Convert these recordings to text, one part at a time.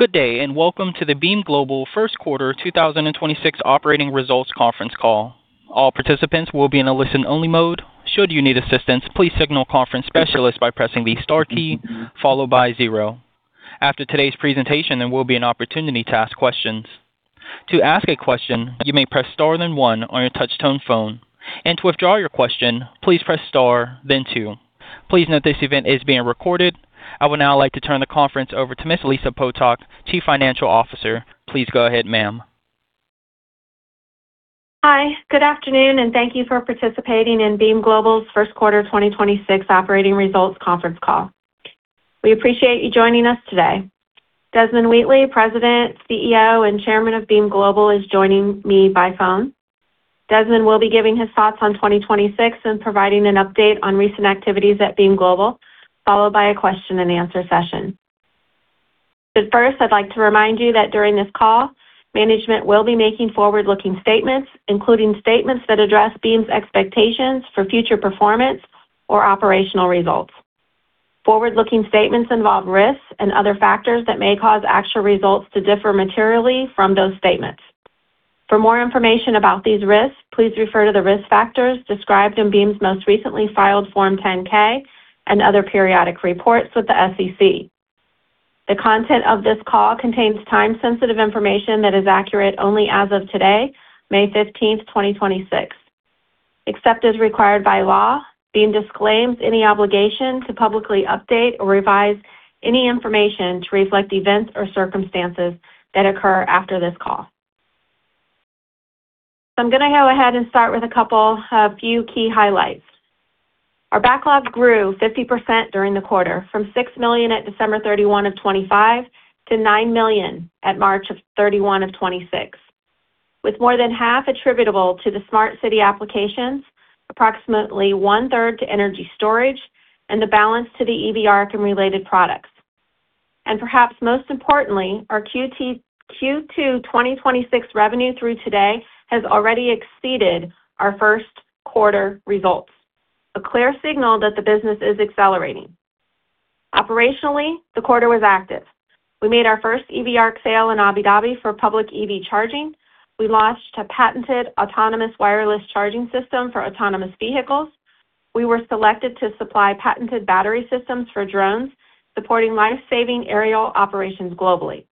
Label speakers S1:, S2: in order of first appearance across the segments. S1: Good day, and welcome to the Beam Global First Quarter 2026 operating results conference call. All participants will be in a listen-only mode. After today's presentation, there will be an opportunity to ask questions. To ask a question, you may press star then one on your touchtone phone. And to withdraw your question, please press star then two. Please note this event is being recorded. I would now like to turn the conference over to Miss Lisa Potok, Chief Financial Officer. Please go ahead, ma'am.
S2: Hi. Good afternoon. Thank you for participating in Beam Global's first quarter 2026 operating results conference call. We appreciate you joining us today. Desmond Wheatley, President, CEO, and Chairman of Beam Global, is joining me by phone. Desmond will be giving his thoughts on 2026 and providing an update on recent activities at Beam Global, followed by a question and answer session. First, I'd like to remind you that during this call, management will be making forward-looking statements, including statements that address Beam's expectations for future performance or operational results. Forward-looking statements involve risks and other factors that may cause actual results to differ materially from those statements. For more information about these risks, please refer to the risk factors described in Beam's most recently filed Form 10-K and other periodic reports with the SEC. The content of this call contains time-sensitive information that is accurate only as of today, May 15th, 2026. Except as required by law, Beam disclaims any obligation to publicly update or revise any information to reflect events or circumstances that occur after this call. I'm gonna go ahead and start with a few key highlights. Our backlogs grew 50% during the quarter, from $6 million at December 31, 2025 to $9 million at March 31, 2026, with more than half attributable to the smart city applications, approximately 1/3 to energy storage, and the balance to the EV ARC and related products. Perhaps most importantly, our Q2 2026 revenue through today has already exceeded our first quarter results, a clear signal that the business is accelerating. Operationally, the quarter was active. We made our first EV ARC sale in Abu Dhabi for public EV charging. We launched a patented autonomous wireless charging system for autonomous vehicles. We were selected to supply patented battery systems for drones, supporting life-saving aerial operations globally.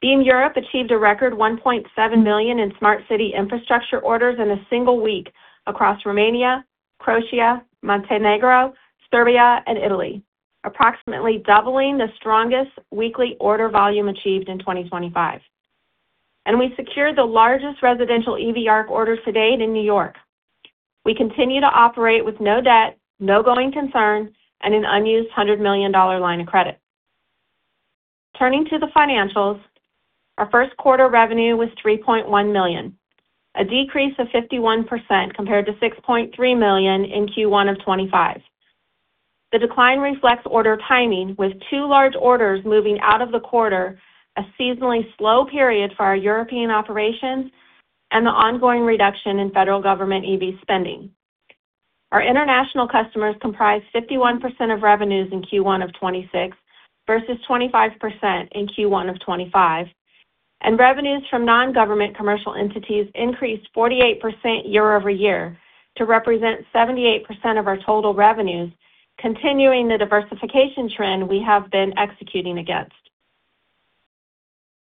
S2: Beam Europe achieved a record $1.7 million in smart city infrastructure orders in a single week across Romania, Croatia, Montenegro, Serbia, and Italy, approximately doubling the strongest weekly order volume achieved in 2025. We secured the largest residential EV ARC order to date in New York. We continue to operate with no debt, no going concern, and an unused $100 million line of credit. Turning to the financials, our first quarter revenue was $3.1 million, a decrease of 51% compared to $6.3 million in Q1 of 2025. The decline reflects order timing, with two large orders moving out of the quarter, a seasonally slow period for our European operations, and the ongoing reduction in federal government EV spending. Our international customers comprised 51% of revenues in Q1 of 2026 versus 25% in Q1 of 2025, and revenues from non-government commercial entities increased 48% year-over-year to represent 78% of our total revenues, continuing the diversification trend we have been executing against.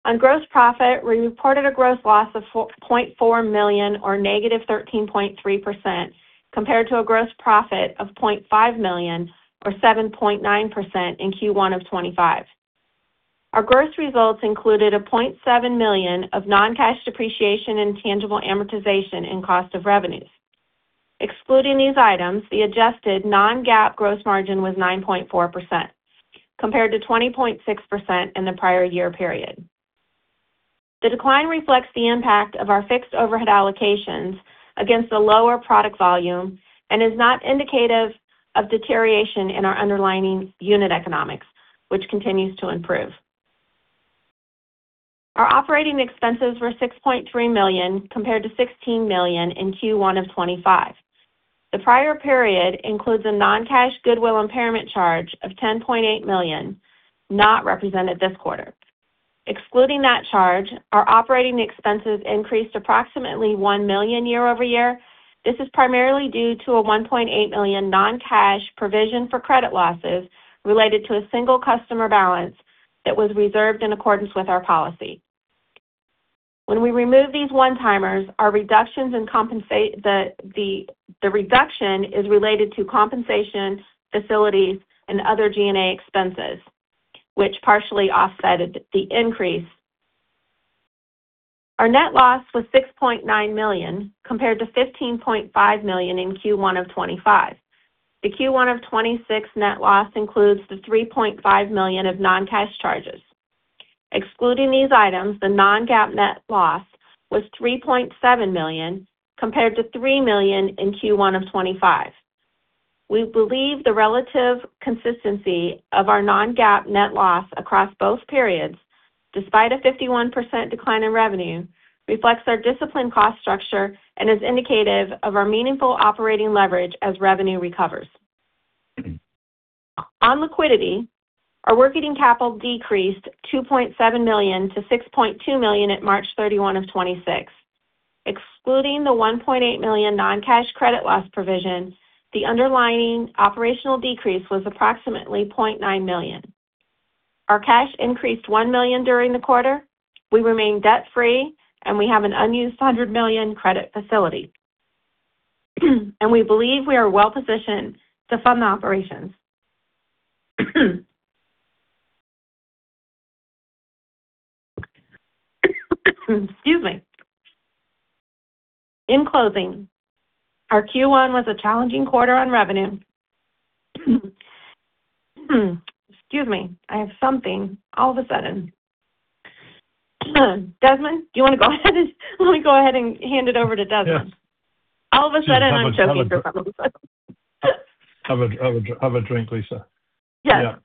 S2: On gross profit, we reported a gross loss of $4.4 million or -13.3% compared to a gross profit of $0.5 million or 7.9% in Q1 of 2025. Our gross results included a $0.7 million of non-cash depreciation, intangible amortization, and cost of revenues. Excluding these items, the adjusted non-GAAP gross margin was 9.4% compared to 20.6% in the prior year period. The decline reflects the impact of our fixed overhead allocations against the lower product volume and is not indicative of deterioration in our underlying unit economics, which continues to improve. Our operating expenses were $6.3 million, compared to $16 million in Q1 of 2025. The prior period includes a non-cash goodwill impairment charge of $10.8 million, not represented this quarter. Excluding that charge, our operating expenses increased approximately $1 million year-over-year. This is primarily due to a $1.8 million non-cash provision for credit losses related to a single customer balance that was reserved in accordance with our policy. When we remove these one-timers, the reduction is related to compensation, facilities, and other G&A expenses, which partially offset the increase. Our net loss was $6.9 million, compared to $15.5 million in Q1 of 2025. The Q1 of 2026 net loss includes the $3.5 million of non-cash charges. Excluding these items, the non-GAAP net loss was $3.7 million, compared to $3 million in Q1 of 2025. We believe the relative consistency of our non-GAAP net loss across both periods, despite a 51% decline in revenue, reflects our disciplined cost structure and is indicative of our meaningful operating leverage as revenue recovers. On liquidity, our working capital decreased $2.7 million-$6.2 million at March 31, 2026. Excluding the $1.8 million non-cash credit loss provision, the underlying operational decrease was approximately $0.9 million. Our cash increased $1 million during the quarter. We remain debt-free, and we have an unused $100 million credit facility. We believe we are well positioned to fund the operations. Excuse me. In closing, our Q1 was a challenging quarter on revenue. Excuse me. I have something all of a sudden. Desmond, do you wanna go ahead and let me hand it over to Desmond?
S3: Yes.
S2: All of a sudden I'm choking for some reason.
S3: Have a drink, Lisa.
S2: Yes.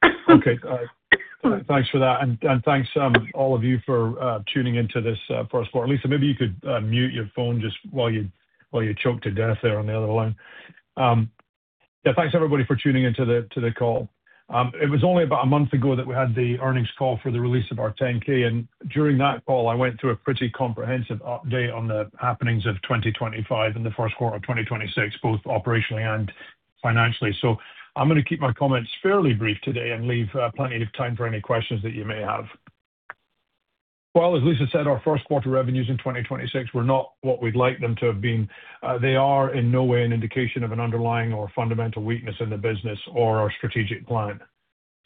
S3: Thanks for that. Thanks all of you for tuning into this first quarter. Lisa, maybe you could mute your phone just while you choke to death there on the other line. Thanks everybody for tuning into the call. It was only about a month ago that we had the earnings call for the release of our Form 10-K, during that call, I went through a pretty comprehensive update on the happenings of 2025 and the first quarter of 2026, both operationally and financially. I'm gonna keep my comments fairly brief today and leave plenty of time for any questions that you may have. As Lisa said, our first quarter revenues in 2026 were not what we'd like them to have been. They are in no way an indication of an underlying or fundamental weakness in the business or our strategic plan.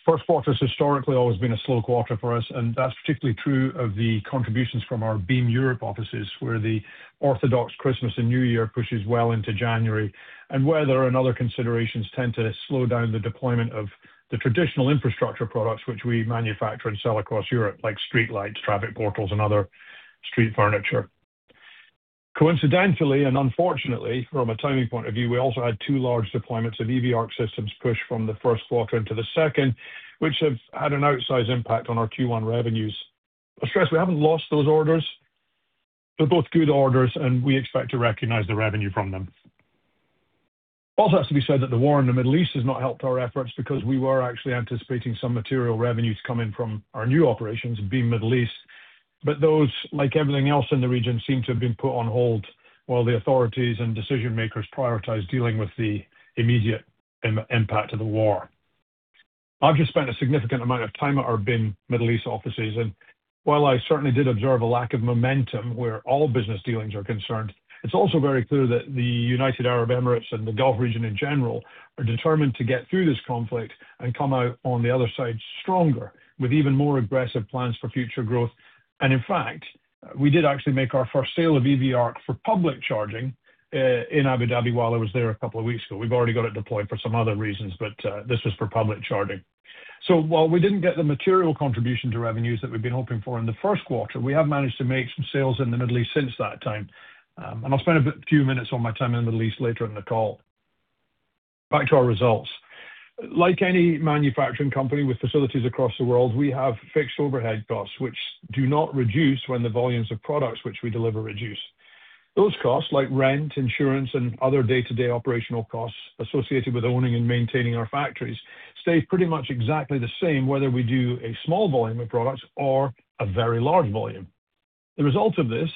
S3: First quarter has historically always been a slow quarter for us, and that's particularly true of the contributions from our Beam Europe offices, where the Orthodox Christmas and New Year pushes well into January. Weather and other considerations tend to slow down the deployment of the traditional infrastructure products which we manufacture and sell across Europe, like streetlights, traffic portals, and other street furniture. Coincidentally, and unfortunately, from a timing point of view, we also had two large deployments of EV ARC systems pushed from the first quarter into the second, which have had an outsized impact on our Q1 revenues. I stress we haven't lost those orders. They're both good orders, and we expect to recognize the revenue from them. Has to be said that the war in the Middle East has not helped our efforts because we were actually anticipating some material revenues coming from our new operations in Beam Middle East. Those, like everything else in the region, seem to have been put on hold while the authorities and decision-makers prioritize dealing with the immediate impact of the war. I've just spent a significant amount of time at our Beam Middle East offices, while I certainly did observe a lack of momentum where all business dealings are concerned, it's also very clear that the United Arab Emirates and the Gulf region in general are determined to get through this conflict and come out on the other side stronger, with even more aggressive plans for future growth. In fact, we did actually make our first sale of EV ARC for public charging in Abu Dhabi while I was there a couple of weeks ago. We've already got it deployed for some other reasons, but this was for public charging. While we didn't get the material contribution to revenues that we'd been hoping for in the first quarter, we have managed to make some sales in the Middle East since that time. I'll spend a few minutes on my time in the Middle East later in the call. Back to our results. Like any manufacturing company with facilities across the world, we have fixed overhead costs, which do not reduce when the volumes of products which we deliver reduce. Those costs, like rent, insurance, and other day-to-day operational costs associated with owning and maintaining our factories, stay pretty much exactly the same whether we do a small volume of products or a very large volume. The result of this,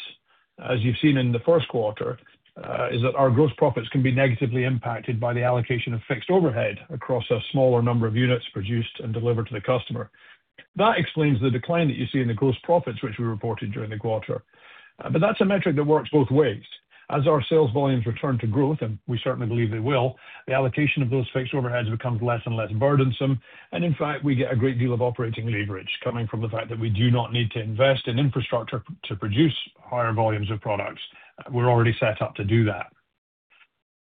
S3: as you've seen in the first quarter, is that our gross profits can be negatively impacted by the allocation of fixed overhead across a smaller number of units produced and delivered to the customer. That explains the decline that you see in the gross profits which we reported during the quarter. That's a metric that works both ways. As our sales volumes return to growth, and we certainly believe they will, the allocation of those fixed overheads becomes less and less burdensome. In fact, we get a great deal of operating leverage coming from the fact that we do not need to invest in infrastructure to produce higher volumes of products. We're already set up to do that.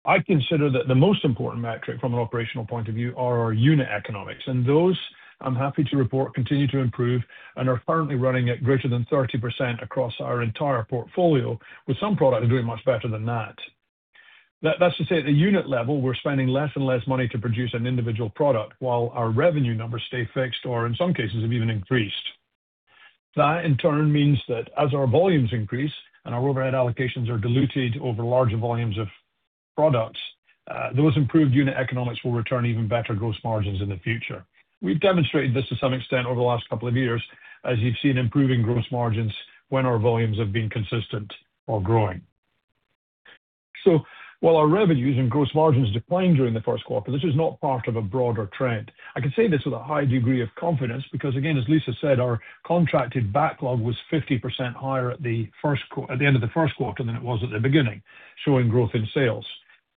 S3: I consider that the most important metric from an operational point of view are our unit economics. Those, I'm happy to report, continue to improve and are currently running at greater than 30% across our entire portfolio, with some products doing much better than that. That's to say, at the unit level, we're spending less and less money to produce an individual product while our revenue numbers stay fixed or in some cases have even increased. That in turn means that as our volumes increase and our overhead allocations are diluted over larger volumes of products, those improved unit economics will return even better gross margins in the future. We've demonstrated this to some extent over the last couple of years, as you've seen improving gross margins when our volumes have been consistent or growing. While our revenues and gross margins declined during the first quarter, this is not part of a broader trend. I can say this with a high degree of confidence because again, as Lisa said, our contracted backlog was 50% higher at the end of the first quarter than it was at the beginning, showing growth in sales.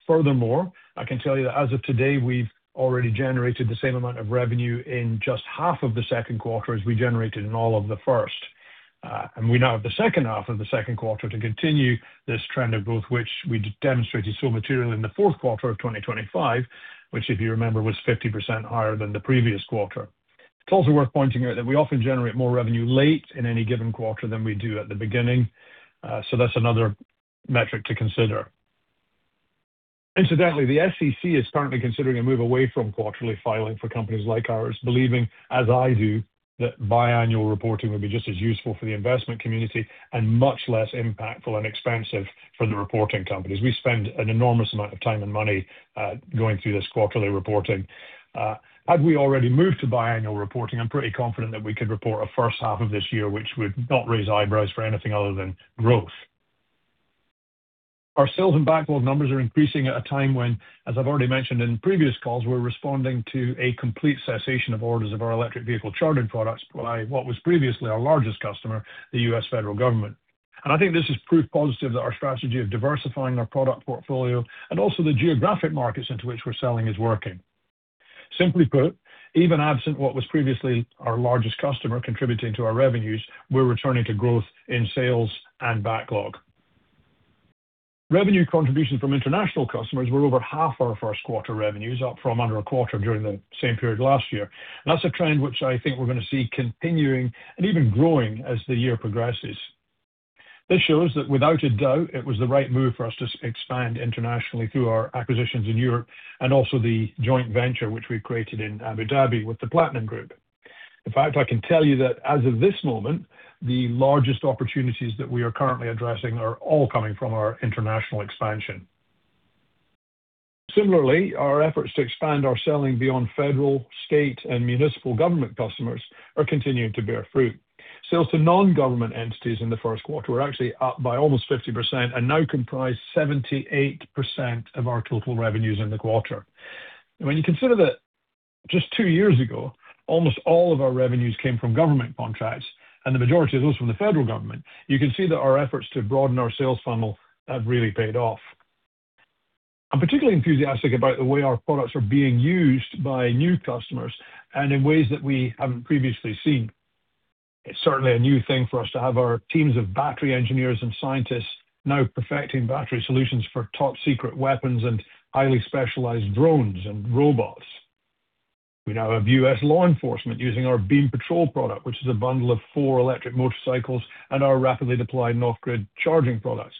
S3: Furthermore, I can tell you that as of today, we've already generated the same amount of revenue in just half of the second quarter as we generated in all of the first. We now have the second half of the second quarter to continue this trend of growth, which we demonstrated so materially in the fourth quarter of 2025, which if you remember, was 50% higher than the previous quarter. It's also worth pointing out that we often generate more revenue late in any given quarter than we do at the beginning, so that's another metric to consider. Incidentally, the SEC is currently considering a move away from quarterly filing for companies like ours, believing, as I do, that biannual reporting would be just as useful for the investment community and much less impactful and expensive for the reporting companies. We spend an enormous amount of time and money going through this quarterly reporting. Had we already moved to biannual reporting, I'm pretty confident that we could report a first half of this year which would not raise eyebrows for anything other than growth. Our sales and backlog numbers are increasing at a time when, as I've already mentioned in previous calls, we're responding to a complete cessation of orders of our electric vehicle charging products by what was previously our largest customer, the U.S. Federal Government. I think this is proof positive that our strategy of diversifying our product portfolio and also the geographic markets into which we're selling is working. Simply put, even absent what was previously our largest customer contributing to our revenues, we're returning to growth in sales and backlog. Revenue contributions from international customers were over half our first quarter revenues, up from under a quarter during the same period last year. That's a trend which I think we're gonna see continuing and even growing as the year progresses. This shows that without a doubt, it was the right move for us to expand internationally through our acquisitions in Europe and also the joint venture which we created in Abu Dhabi with the Platinum Group. I can tell you that as of this moment, the largest opportunities that we are currently addressing are all coming from our international expansion. Similarly, our efforts to expand our selling beyond federal, state, and municipal government customers are continuing to bear fruit. Sales to non-government entities in the first quarter were actually up by almost 50% and now comprise 78% of our total revenues in the quarter. When you consider that just two years ago, almost all of our revenues came from government contracts and the majority of those from the federal government, you can see that our efforts to broaden our sales funnel have really paid off. I'm particularly enthusiastic about the way our products are being used by new customers and in ways that we haven't previously seen. It's certainly a new thing for us to have our teams of battery engineers and scientists now perfecting battery solutions for top-secret weapons and highly specialized drones and robots. We now have U.S. law enforcement using our BeamPatrol product, which is a bundle of four electric motorcycles and our rapidly deployed off-grid charging products.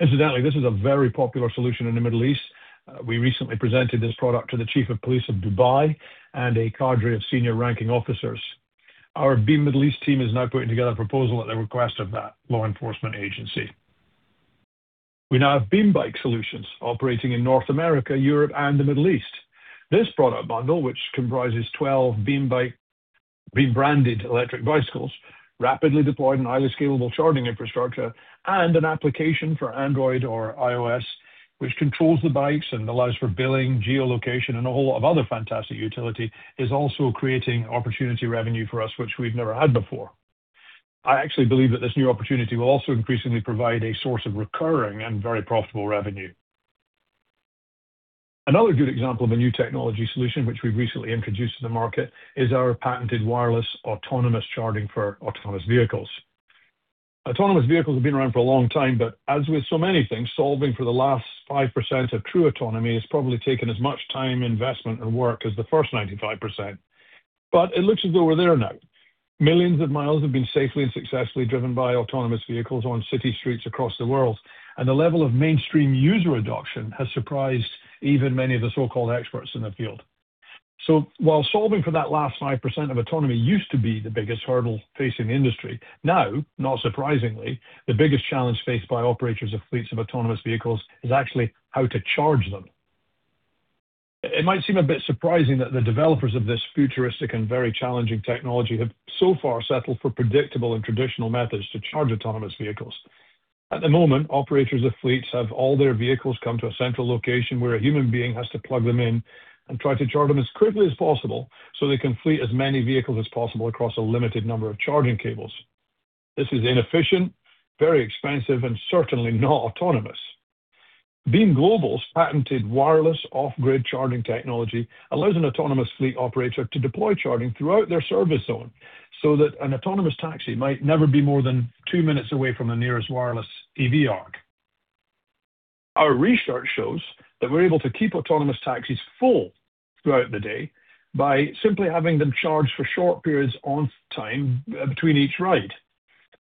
S3: Incidentally, this is a very popular solution in the Middle East. We recently presented this product to the chief of police of Dubai and a cadre of senior ranking officers. Our Beam Middle East team is now putting together a proposal at the request of that law enforcement agency. We now have BeamBike solutions operating in North America, Europe, and the Middle East. This product bundle, which comprises 12 BeamBike rebranded electric bicycles, rapidly deployed and highly scalable charging infrastructure, and an application for Android or iOS, which controls the bikes and allows for billing, geolocation, and a whole lot of other fantastic utility, is also creating opportunity revenue for us which we've never had before. I actually believe that this new opportunity will also increasingly provide a source of recurring and very profitable revenue. Another good example of a new technology solution which we've recently introduced to the market is our patented wireless autonomous charging for autonomous vehicles. Autonomous vehicles have been around for a long time, as with so many things, solving for the last 5% of true autonomy has probably taken as much time, investment, and work as the first 95%. It looks as though we're there now. Millions of miles have been safely and successfully driven by autonomous vehicles on city streets across the world, and the level of mainstream user adoption has surprised even many of the so-called experts in the field. While solving for that last 5% of autonomy used to be the biggest hurdle facing the industry, now, not surprisingly, the biggest challenge faced by operators of fleets of autonomous vehicles is actually how to charge them. It, it might seem a bit surprising that the developers of this futuristic and very challenging technology have so far settled for predictable and traditional methods to charge autonomous vehicles. At the moment, operators of fleets have all their vehicles come to a central location where a human being has to plug them in and try to charge them as quickly as possible, so they can fleet as many vehicles as possible across a limited number of charging cables. This is inefficient, very expensive, and certainly not autonomous. Beam Global's patented wireless off-grid charging technology allows an autonomous fleet operator to deploy charging throughout their service zone so that an autonomous taxi might never be more than two minutes away from the nearest wireless EV ARC. Our research shows that we're able to keep autonomous taxis full throughout the day by simply having them charge for short periods on time between each ride.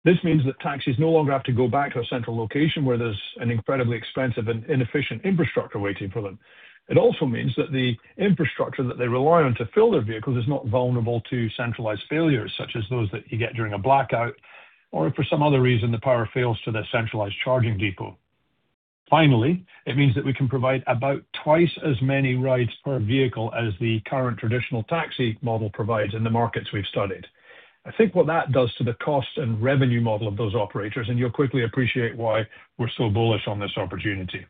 S3: This means that taxis no longer have to go back to a central location where there's an incredibly expensive and inefficient infrastructure waiting for them. It also means that the infrastructure that they rely on to fill their vehicles is not vulnerable to centralized failures, such as those that you get during a blackout or if for some other reason the power fails to their centralized charging depot. Finally, it means that we can provide about twice as many rides per vehicle as the current traditional taxi model provides in the markets we've studied. I think what that does to the cost and revenue model of those operators, and you'll quickly appreciate why we're so bullish on this opportunity.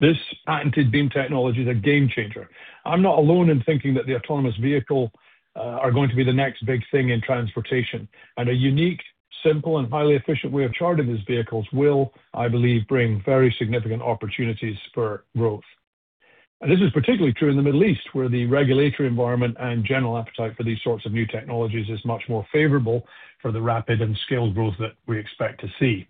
S3: This patented Beam technology is a game changer. I'm not alone in thinking that the autonomous vehicle, are going to be the next big thing in transportation. A unique, simple, and highly efficient way of charging these vehicles will, I believe, bring very significant opportunities for growth. This is particularly true in the Middle East, where the regulatory environment and general appetite for these sorts of new technologies is much more favorable for the rapid and scaled growth that we expect to see.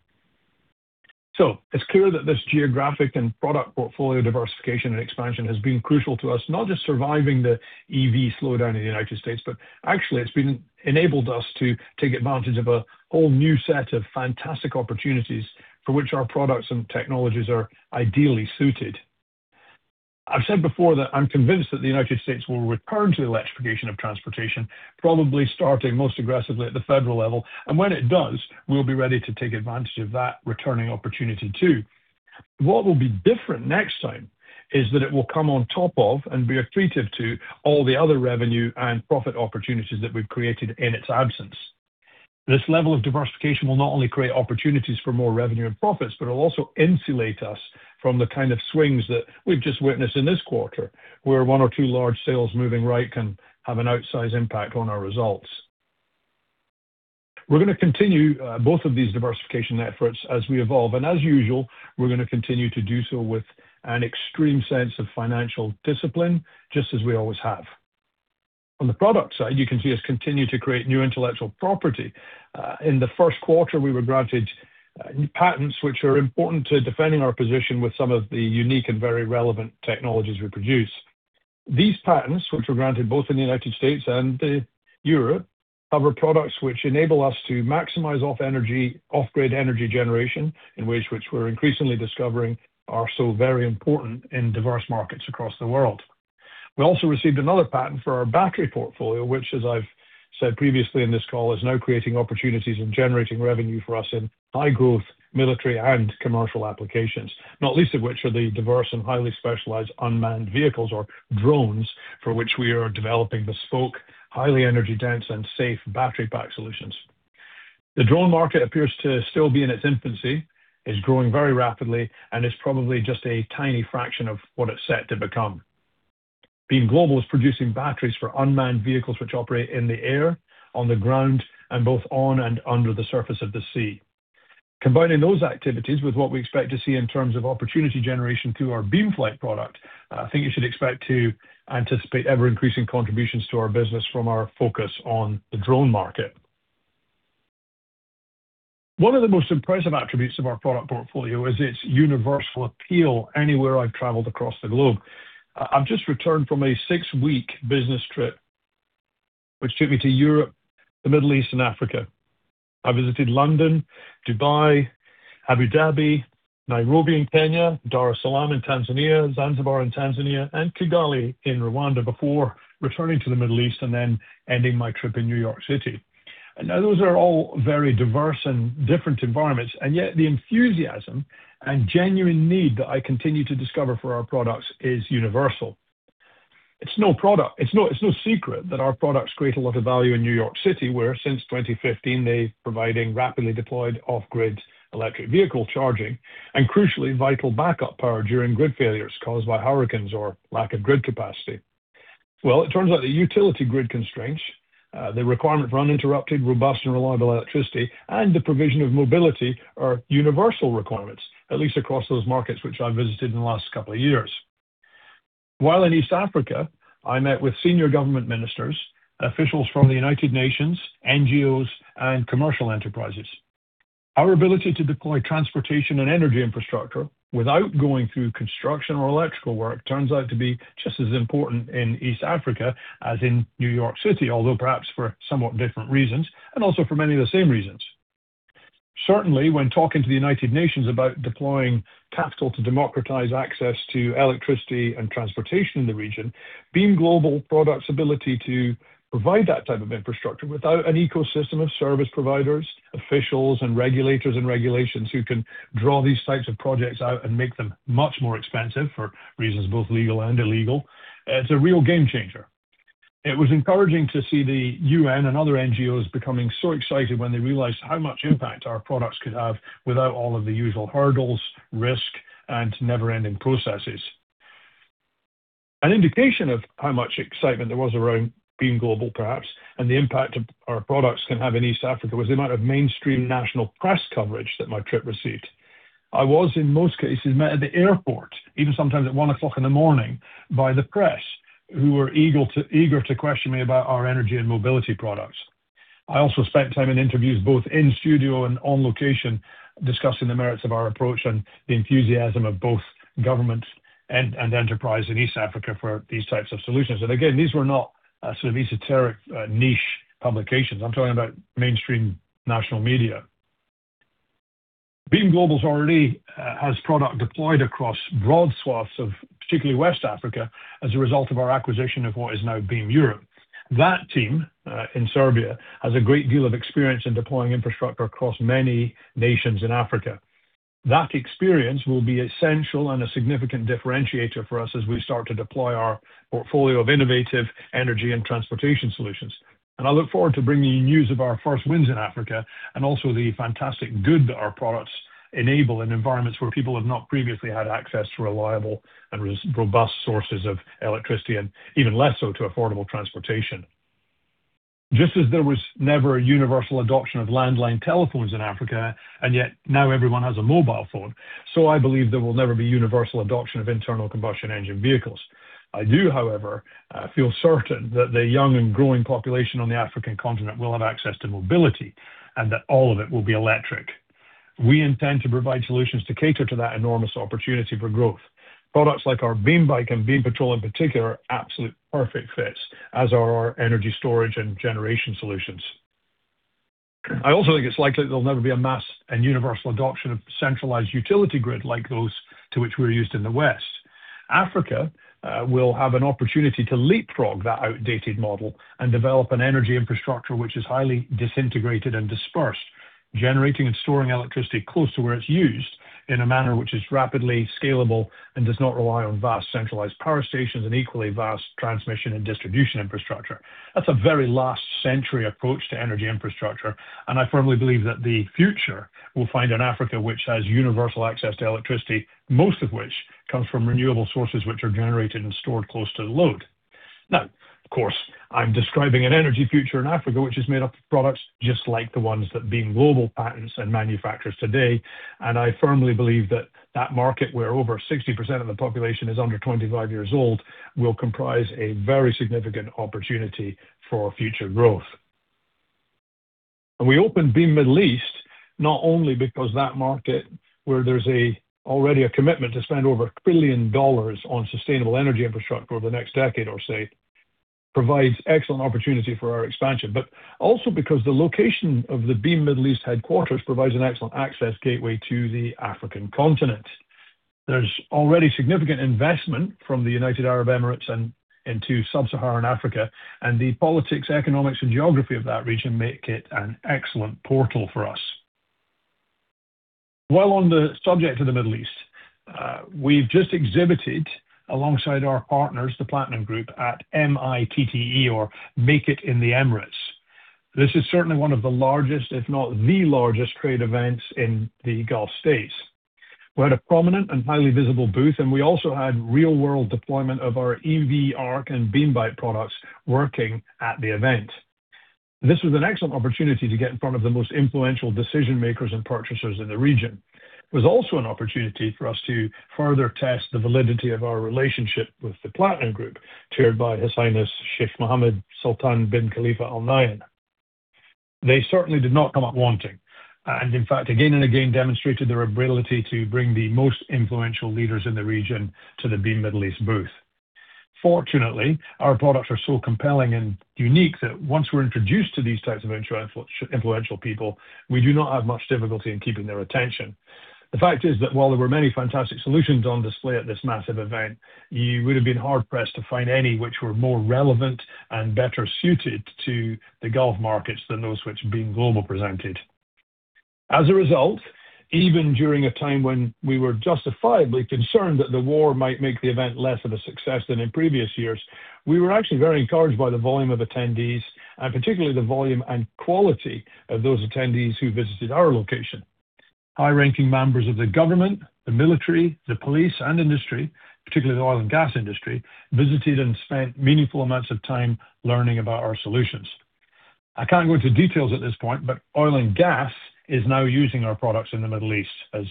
S3: It's clear that this geographic and product portfolio diversification and expansion has been crucial to us, not just surviving the EV slowdown in the United States, but actually it's been enabled us to take advantage of a whole new set of fantastic opportunities for which our products and technologies are ideally suited. I've said before that I'm convinced that the United States will return to the electrification of transportation, probably starting most aggressively at the federal level. When it does, we'll be ready to take advantage of that returning opportunity too. What will be different next time is that it will come on top of and be accretive to all the other revenue and profit opportunities that we've created in its absence. This level of diversification will not only create opportunities for more revenue and profits, but it'll also insulate us from the kind of swings that we've just witnessed in this quarter, where one or two large sales moving right can have an outsized impact on our results. We're gonna continue both of these diversification efforts as we evolve, and as usual, we're gonna continue to do so with an extreme sense of financial discipline, just as we always have. On the product side, you can see us continue to create new intellectual property. In the first quarter, we were granted patents which are important to defending our position with some of the unique and very relevant technologies we produce. These patents, which were granted both in the U.S. and Europe, cover products which enable us to maximize off-grid energy generation in ways which we're increasingly discovering are so very important in diverse markets across the world. We also received another patent for our battery portfolio, which, as I've said previously in this call, is now creating opportunities and generating revenue for us in high-growth military and commercial applications, not least of which are the diverse and highly specialized unmanned vehicles or drones for which we are developing bespoke, highly energy-dense and safe battery pack solutions. The drone market appears to still be in its infancy. It's growing very rapidly. It's probably just a tiny fraction of what it's set to become. Beam Global is producing batteries for unmanned vehicles which operate in the air, on the ground, and both on and under the surface of the sea. Combining those activities with what we expect to see in terms of opportunity generation through our BeamFlight product, I think you should expect to anticipate ever-increasing contributions to our business from our focus on the drone market. One of the most impressive attributes of our product portfolio is its universal appeal anywhere I've traveled across the globe. I've just returned from a six-week business trip which took me to Europe, the Middle East, and Africa. I visited London, Dubai, Abu Dhabi, Nairobi in Kenya, Dar es Salaam in Tanzania, Zanzibar in Tanzania, and Kigali in Rwanda before returning to the Middle East and then ending my trip in New York City. Those are all very diverse and different environments, yet the enthusiasm and genuine need that I continue to discover for our products is universal. It's no secret that our products create a lot of value in New York City, where since 2015, they're providing rapidly deployed off-grid electric vehicle charging and, crucially, vital backup power during grid failures caused by hurricanes or lack of grid capacity. It turns out that utility grid constraints, the requirement for uninterrupted, robust, and reliable electricity, and the provision of mobility are universal requirements, at least across those markets which I visited in the last couple of years. While in East Africa, I met with senior government ministers, officials from the United Nations, NGOs, and commercial enterprises. Our ability to deploy transportation and energy infrastructure without going through construction or electrical work turns out to be just as important in East Africa as in New York City, although perhaps for somewhat different reasons and also for many of the same reasons. Certainly, when talking to the United Nations about deploying capital to democratize access to electricity and transportation in the region, Beam Global products ability to provide that type of infrastructure without an ecosystem of service providers, officials, and regulators and regulations who can draw these types of projects out and make them much more expensive for reasons both legal and illegal, it's a real game changer. It was encouraging to see the UN and other NGOs becoming so excited when they realized how much impact our products could have without all of the usual hurdles, risk, and never-ending processes. An indication of how much excitement there was around Beam Global, perhaps, and the impact of our products can have in East Africa was the amount of mainstream national press coverage that my trip received. I was, in most cases, met at the airport, even sometimes at 1:00 A.M. in the morning, by the press, who were eager to question me about our energy and mobility products. I also spent time in interviews, both in studio and on location, discussing the merits of our approach and the enthusiasm of both government and enterprise in East Africa for these types of solutions. Again, these were not sort of esoteric, niche publications. I'm talking about mainstream national media. Beam Global already has product deployed across broad swaths of particularly West Africa as a result of our acquisition of what is now Beam Europe. That team in Serbia has a great deal of experience in deploying infrastructure across many nations in Africa. That experience will be essential and a significant differentiator for us as we start to deploy our portfolio of innovative energy and transportation solutions. I look forward to bringing you news of our first wins in Africa and also the fantastic good that our products enable in environments where people have not previously had access to reliable and robust sources of electricity and even less so to affordable transportation. Just as there was never a universal adoption of landline telephones in Africa, and yet now everyone has a mobile phone, so I believe there will never be universal adoption of internal combustion engine vehicles. I do, however, feel certain that the young and growing population on the African continent will have access to mobility and that all of it will be electric. We intend to provide solutions to cater to that enormous opportunity for growth. Products like our BeamBike and BeamPatrol in particular are absolute perfect fits, as are our energy storage and generation solutions. I also think it's likely there'll never be a mass and universal adoption of centralized utility grid like those to which we're used in the West. Africa will have an opportunity to leapfrog that outdated model and develop an energy infrastructure which is highly disintegrated and dispersed, generating and storing electricity close to where it's used in a manner which is rapidly scalable and does not rely on vast centralized power stations and equally vast transmission and distribution infrastructure. That's a very last century approach to energy infrastructure, and I firmly believe that the future will find an Africa which has universal access to electricity, most of which comes from renewable sources which are generated and stored close to the load. Now, of course, I'm describing an energy future in Africa which is made up of products just like the ones that Beam Global patents and manufactures today. I firmly believe that that market, where over 60% of the population is under 25 years old, will comprise a very significant opportunity for future growth. We opened Beam Middle East not only because that market, where there's already a commitment to spend over $1 trillion on sustainable energy infrastructure over the next decade or so, provides excellent opportunity for our expansion, but also because the location of the Beam Middle East headquarters provides an excellent access gateway to the African continent. There's already significant investment from the United Arab Emirates and into Sub-Saharan Africa, the politics, economics, and geography of that region make it an excellent portal for us. While on the subject of the Middle East, we've just exhibited alongside our partners, the Platinum Group, at MIITE or Make It in the Emirates. This is certainly one of the largest, if not the largest, trade events in the Gulf states. We had a prominent and highly visible booth. We also had real-world deployment of our EV ARC and BeamBike products working at the event. This was an excellent opportunity to get in front of the most influential decision-makers and purchasers in the region. It was also an opportunity for us to further test the validity of our relationship with the Platinum Group, chaired by His Highness Sheikh Mohammed bin Sultan bin Khalifa Al Nahyan. They certainly did not come up wanting. In fact, again and again demonstrated their ability to bring the most influential leaders in the region to the Beam Middle East booth. Fortunately, our products are so compelling and unique that once we're introduced to these types of influential people, we do not have much difficulty in keeping their attention. The fact is that while there were many fantastic solutions on display at this massive event, you would have been hard-pressed to find any which were more relevant and better suited to the Gulf markets than those which Beam Global presented. As a result, even during a time when we were justifiably concerned that the war might make the event less of a success than in previous years, we were actually very encouraged by the volume of attendees and particularly the volume and quality of those attendees who visited our location. High-ranking members of the government, the military, the police, and industry, particularly the oil and gas industry, visited and spent meaningful amounts of time learning about our solutions. I can't go into details at this point, but oil and gas is now using our products in the Middle East, as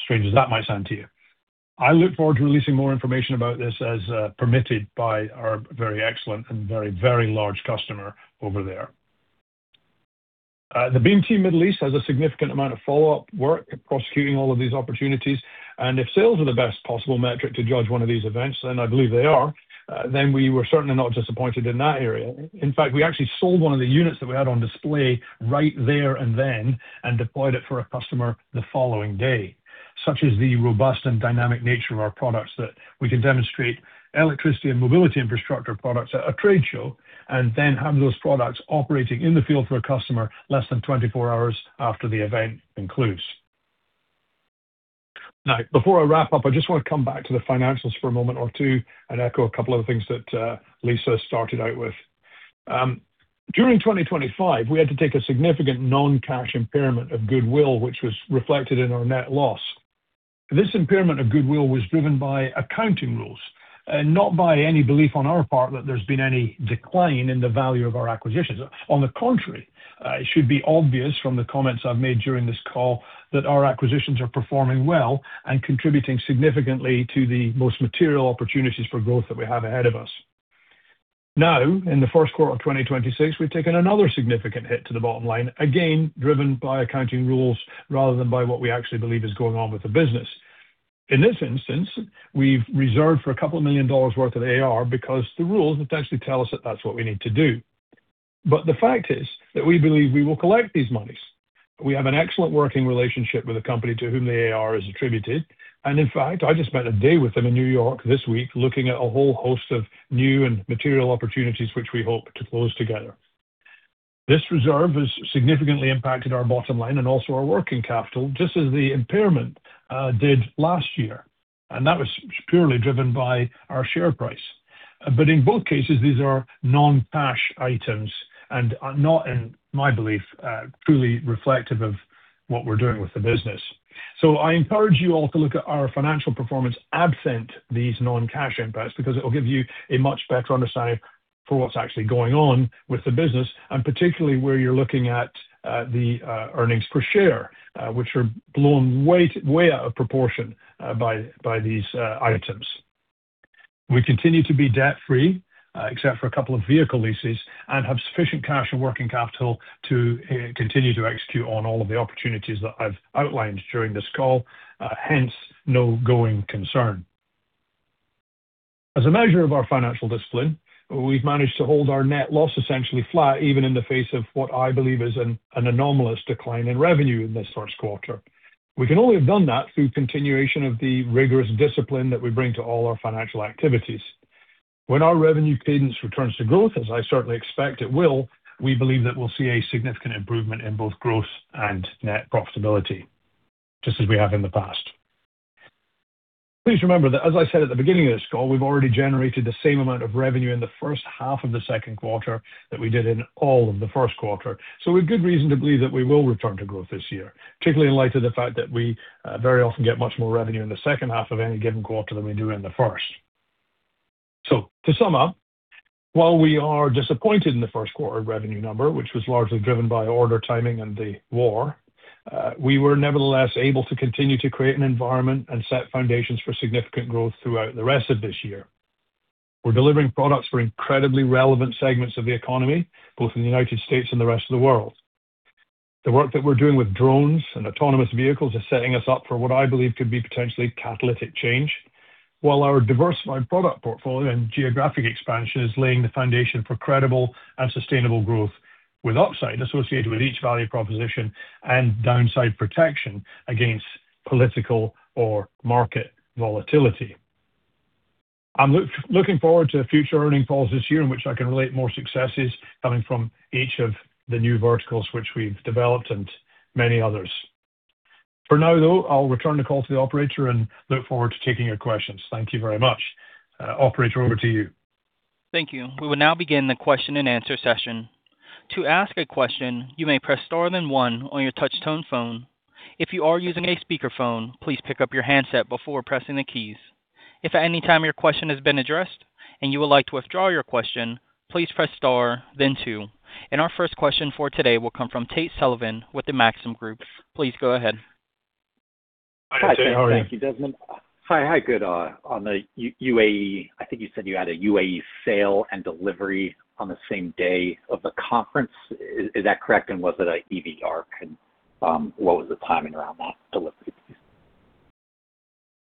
S3: strange as that might sound to you. I look forward to releasing more information about this as permitted by our very excellent and very, very large customer over there. The Beam team Middle East has a significant amount of follow-up work prosecuting all of these opportunities. If sales are the best possible metric to judge one of these events, and I believe they are, then we were certainly not disappointed in that area. In fact, we actually sold one of the units that we had on display right there and then and deployed it for a customer the following day. Such is the robust and dynamic nature of our products that we can demonstrate electricity and mobility infrastructure products at a trade show. Then have those products operating in the field for a customer less than 24 hours after the event concludes. Now, before I wrap up, I just wanna come back to the financials for a moment or two and echo a couple of the things that Lisa started out with. During 2025, we had to take a significant non-cash impairment of goodwill, which was reflected in our net loss. This impairment of goodwill was driven by accounting rules, not by any belief on our part that there's been any decline in the value of our acquisitions. On the contrary, it should be obvious from the comments I've made during this call that our acquisitions are performing well and contributing significantly to the most material opportunities for growth that we have ahead of us. Now, in the first quarter of 2026, we've taken another significant hit to the bottom line, again, driven by accounting rules rather than by what we actually believe is going on with the business. In this instance, we've reserved for a couple million of dollars worth of AR because the rules essentially tell us that that's what we need to do. The fact is that we believe we will collect these monies. We have an excellent working relationship with the company to whom the AR is attributed, and in fact, I just spent a day with them in New York this week looking at a whole host of new and material opportunities which we hope to close together. This reserve has significantly impacted our bottom line and also our working capital, just as the impairment did last year, and that was purely driven by our share price. In both cases, these are non-cash items and are not, in my belief, truly reflective of what we're doing with the business. I encourage you all to look at our financial performance absent these non-cash impacts because it will give you a much better understanding for what's actually going on with the business, and particularly where you're looking at earnings per share, which are blown way out of proportion by these items. We continue to be debt-free, except for a couple of vehicle leases, and have sufficient cash and working capital to continue to execute on all of the opportunities that I've outlined during this call, hence no going concern. As a measure of our financial discipline, we've managed to hold our net loss essentially flat, even in the face of what I believe is an anomalous decline in revenue in this first quarter. We can only have done that through continuation of the rigorous discipline that we bring to all our financial activities. When our revenue cadence returns to growth, as I certainly expect it will, we believe that we'll see a significant improvement in both growth and net profitability, just as we have in the past. Please remember that, as I said at the beginning of this call, we've already generated the same amount of revenue in the first half of the second quarter that we did in all of the first quarter. We've good reason to believe that we will return to growth this year, particularly in light of the fact that we very often get much more revenue in the second half of any given quarter than we do in the first. To sum up, while we are disappointed in the first quarter revenue number, which was largely driven by order timing and the war, we were nevertheless able to continue to create an environment and set foundations for significant growth throughout the rest of this year. We're delivering products for incredibly relevant segments of the economy, both in the United States and the rest of the world. The work that we're doing with drones and autonomous vehicles is setting us up for what I believe could be potentially catalytic change. Our diversified product portfolio and geographic expansion is laying the foundation for credible and sustainable growth with upside associated with each value proposition and downside protection against political or market volatility. I'm looking forward to future earnings calls this year in which I can relate more successes coming from each of the new verticals which we've developed, and many others. For now, though, I'll return the call to the operator and look forward to taking your questions. Thank you very much. Operator, over to you.
S1: Thank you. We will now begin the question-and-answer session. To ask a question, you may press star then one on your touchtone phone. If you are using a speaker phone, please pick up your handset before pressing the keys. If anytime your question has been addressed and you would like to withdraw your question, please press star then two. Our first question for today will come from Tate Sullivan with the Maxim Group. Please go ahead.
S3: Hi, Tate. How are you?
S4: Hi. Thank you, Desmond. Hi, good. On the U.A.E., I think you said you had a U.A.E. sale and delivery on the same day of the conference. Is that correct? Was it a EV ARC? What was the timing around that delivery, please?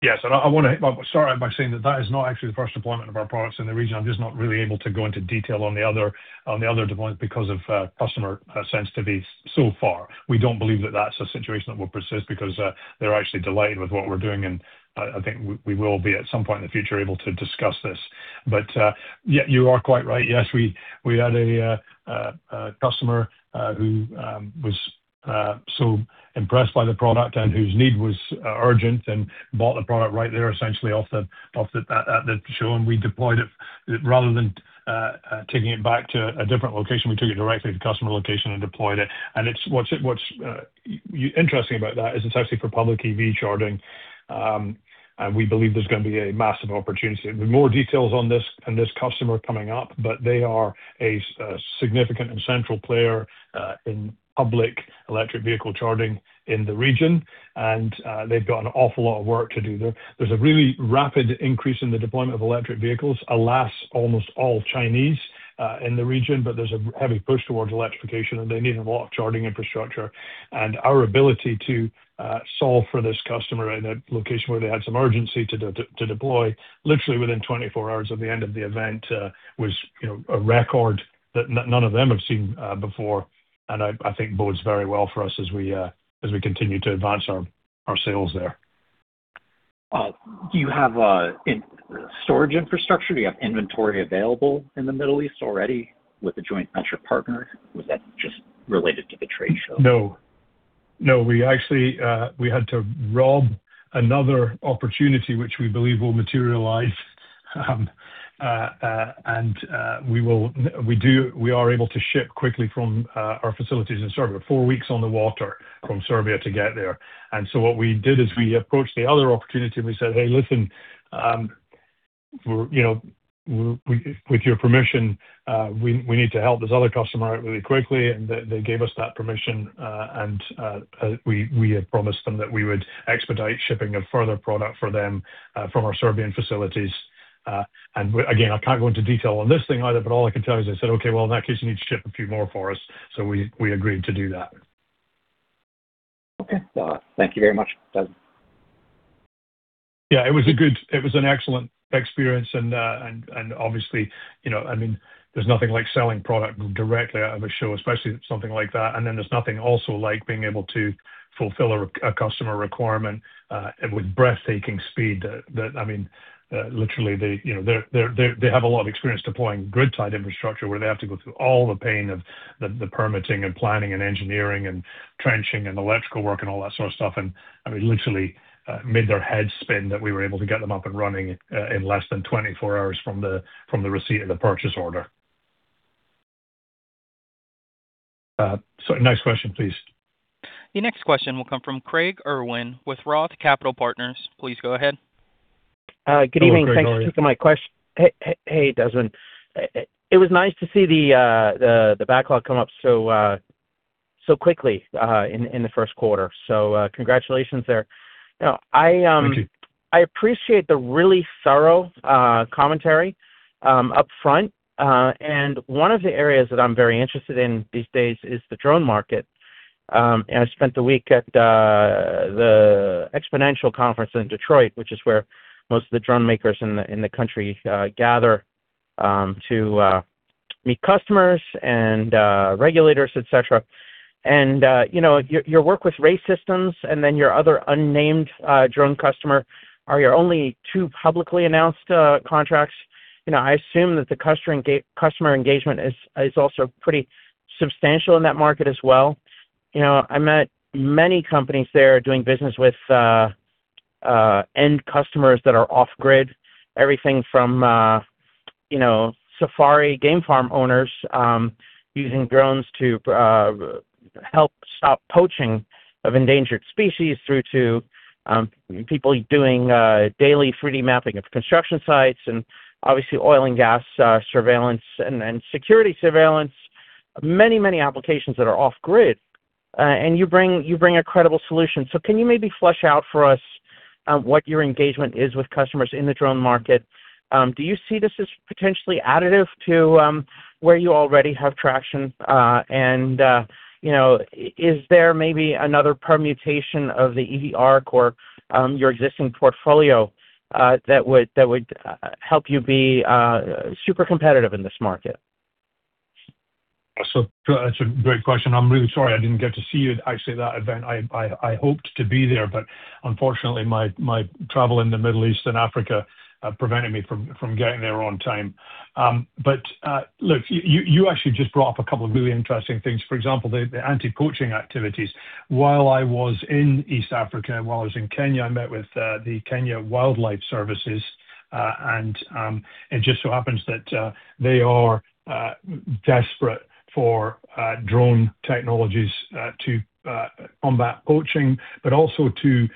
S3: Yes. I wanna start out by saying that that is not actually the first deployment of our products in the region. I'm just not really able to go into detail on the other deployments because of customer sensitivity so far. We don't believe that that's a situation that will persist because they're actually delighted with what we're doing, and I think we will be, at some point in the future, able to discuss this. Yeah, you are quite right. Yes, we had a customer who was so impressed by the product and whose need was urgent and bought the product right there essentially at the show, and we deployed it. Rather than taking it back to a different location, we took it directly to the customer location and deployed it. It's what's interesting about that is it's actually for public EV charging. We believe there's gonna be a massive opportunity. There'll be more details on this and this customer coming up, but they are a significant and central player in public electric vehicle charging in the region. They've got an awful lot of work to do. There's a really rapid increase in the deployment of electric vehicles, alas, almost all Chinese in the region, but there's a heavy push towards electrification, and they need a lot of charging infrastructure. Our ability to solve for this customer in a location where they had some urgency to deploy literally within 24 hours of the end of the event, was, you know, a record that none of them have seen before. I think bodes very well for us as we continue to advance our sales there.
S4: Do you have in storage infrastructure? Do you have inventory available in the Middle East already with the joint venture partner? Was that just related to the trade show?
S3: No. No, we actually we had to rob another opportunity which we believe will materialize. We are able to ship quickly from our facilities in Serbia. Four weeks on the water from Serbia to get there. So what we did is we approached the other opportunity and we said, hey, listen, we're, you know, with your permission, we need to help this other customer out really quickly. They gave us that permission. We have promised them that we would expedite shipping of further product for them from our Serbian facilities. Again, I can't go into detail on this thing either, but all I can tell you is they said, okay, well, in that case you need to ship a few more for us. We agreed to do that.
S4: Okay. Well, thank you very much, Desmond.
S3: Yeah, it was an excellent experience. Obviously, you know, I mean, there's nothing like selling product directly out of a show, especially something like that. There's nothing also like being able to fulfill a customer requirement with breathtaking speed that I mean, literally they, you know, they have a lot of experience deploying grid-tied infrastructure where they have to go through all the pain of the permitting and planning and engineering and trenching and electrical work and all that sort of stuff. I mean, literally, made their heads spin that we were able to get them up and running in less than 24 hours from the receipt of the purchase order. Next question, please.
S1: The next question will come from Craig Irwin with ROTH Capital Partners. Please go ahead.
S3: Hello, Craig. How are you?
S5: Good evening. Thanks for taking my question, Desmond. It was nice to see the backlog come up so quickly in the first quarter, so congratulations there.
S3: Thank you.
S5: I appreciate the really thorough commentary up front. One of the areas that I'm very interested in these days is the drone market. I spent the week at the XPONENTIAL Conference in Detroit, which is where most of the drone makers in the country gather to meet customers and regulators, et cetera. You know, your work with Ray Systems and then your other unnamed drone customer are your only two publicly announced contracts. You know, I assume that the customer engagement is also pretty substantial in that market as well. You know, I met many companies there doing business with end customers that are off grid. Everything from, you know, safari game farm owners, using drones to help stop poaching of endangered species through to people doing daily 3D mapping of construction sites and obviously oil and gas surveillance and security surveillance. Many applications that are off grid, and you bring a credible solution. Can you maybe flesh out for us what your engagement is with customers in the drone market? Do you see this as potentially additive to where you already have traction? You know, is there maybe another permutation of the EV ARC or your existing portfolio that would help you be super competitive in this market?
S3: That's a great question. I'm really sorry I didn't get to see you at actually that event. I hoped to be there, but unfortunately, my travel in the Middle East and Africa prevented me from getting there on time. But look, you actually just brought up a couple of really interesting things. For example, the anti-poaching activities. While I was in East Africa, while I was in Kenya, I met with the Kenya Wildlife Service, and it just so happens that they are desperate for drone technologies to combat poaching, but also to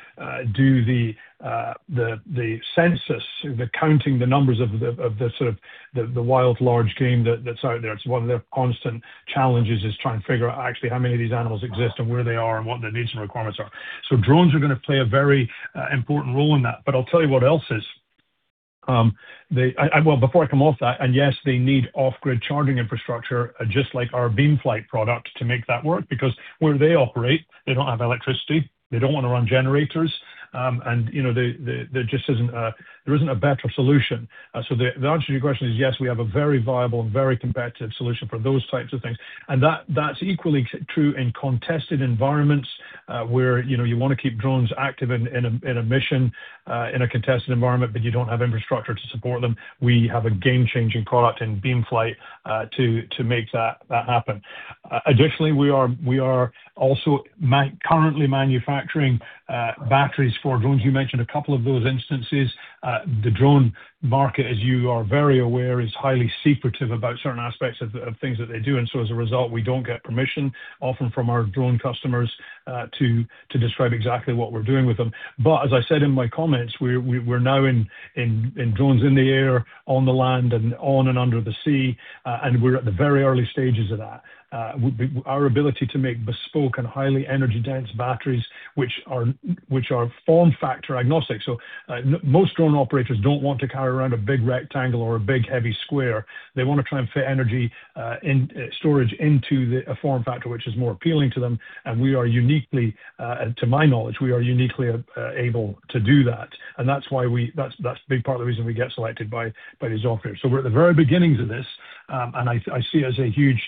S3: do the census, the counting the numbers of the sort of the wild large game that's out there. It's one of their constant challenges is trying to figure out actually how many of these animals exist and where they are and what their needs and requirements are. Drones are gonna play a very important role in that. I'll tell you what else is. Well, before I come off that, yes, they need off-grid charging infrastructure, just like our BeamFlight product to make that work. Because where they operate, they don't have electricity, they don't wanna run generators, and you know, they, there just isn't, there isn't a better solution. The answer to your question is yes, we have a very viable and very competitive solution for those types of things. That's equally true in contested environments, where, you know, you wanna keep drones active in a mission, in a contested environment, you don't have infrastructure to support them. We have a game-changing product in BeamFlight to make that happen. Additionally, we are also currently manufacturing batteries for drones. You mentioned a couple of those instances. The drone market, as you are very aware, is highly secretive about certain aspects of things that they do, as a result, we don't get permission often from our drone customers to describe exactly what we're doing with them. As I said in my comments, we're now in drones in the air, on the land, and on and under the sea, and we're at the very early stages of that. Our ability to make bespoke and highly energy-dense batteries, which are form factor agnostic. Most drone operators don't want to carry around a big rectangle or a big heavy square. They wanna try and fit energy in storage into the, a form factor which is more appealing to them. We are uniquely, to my knowledge, we are uniquely able to do that. That's why that's a big part of the reason we get selected by these operators. We're at the very beginnings of this, and I see it as a huge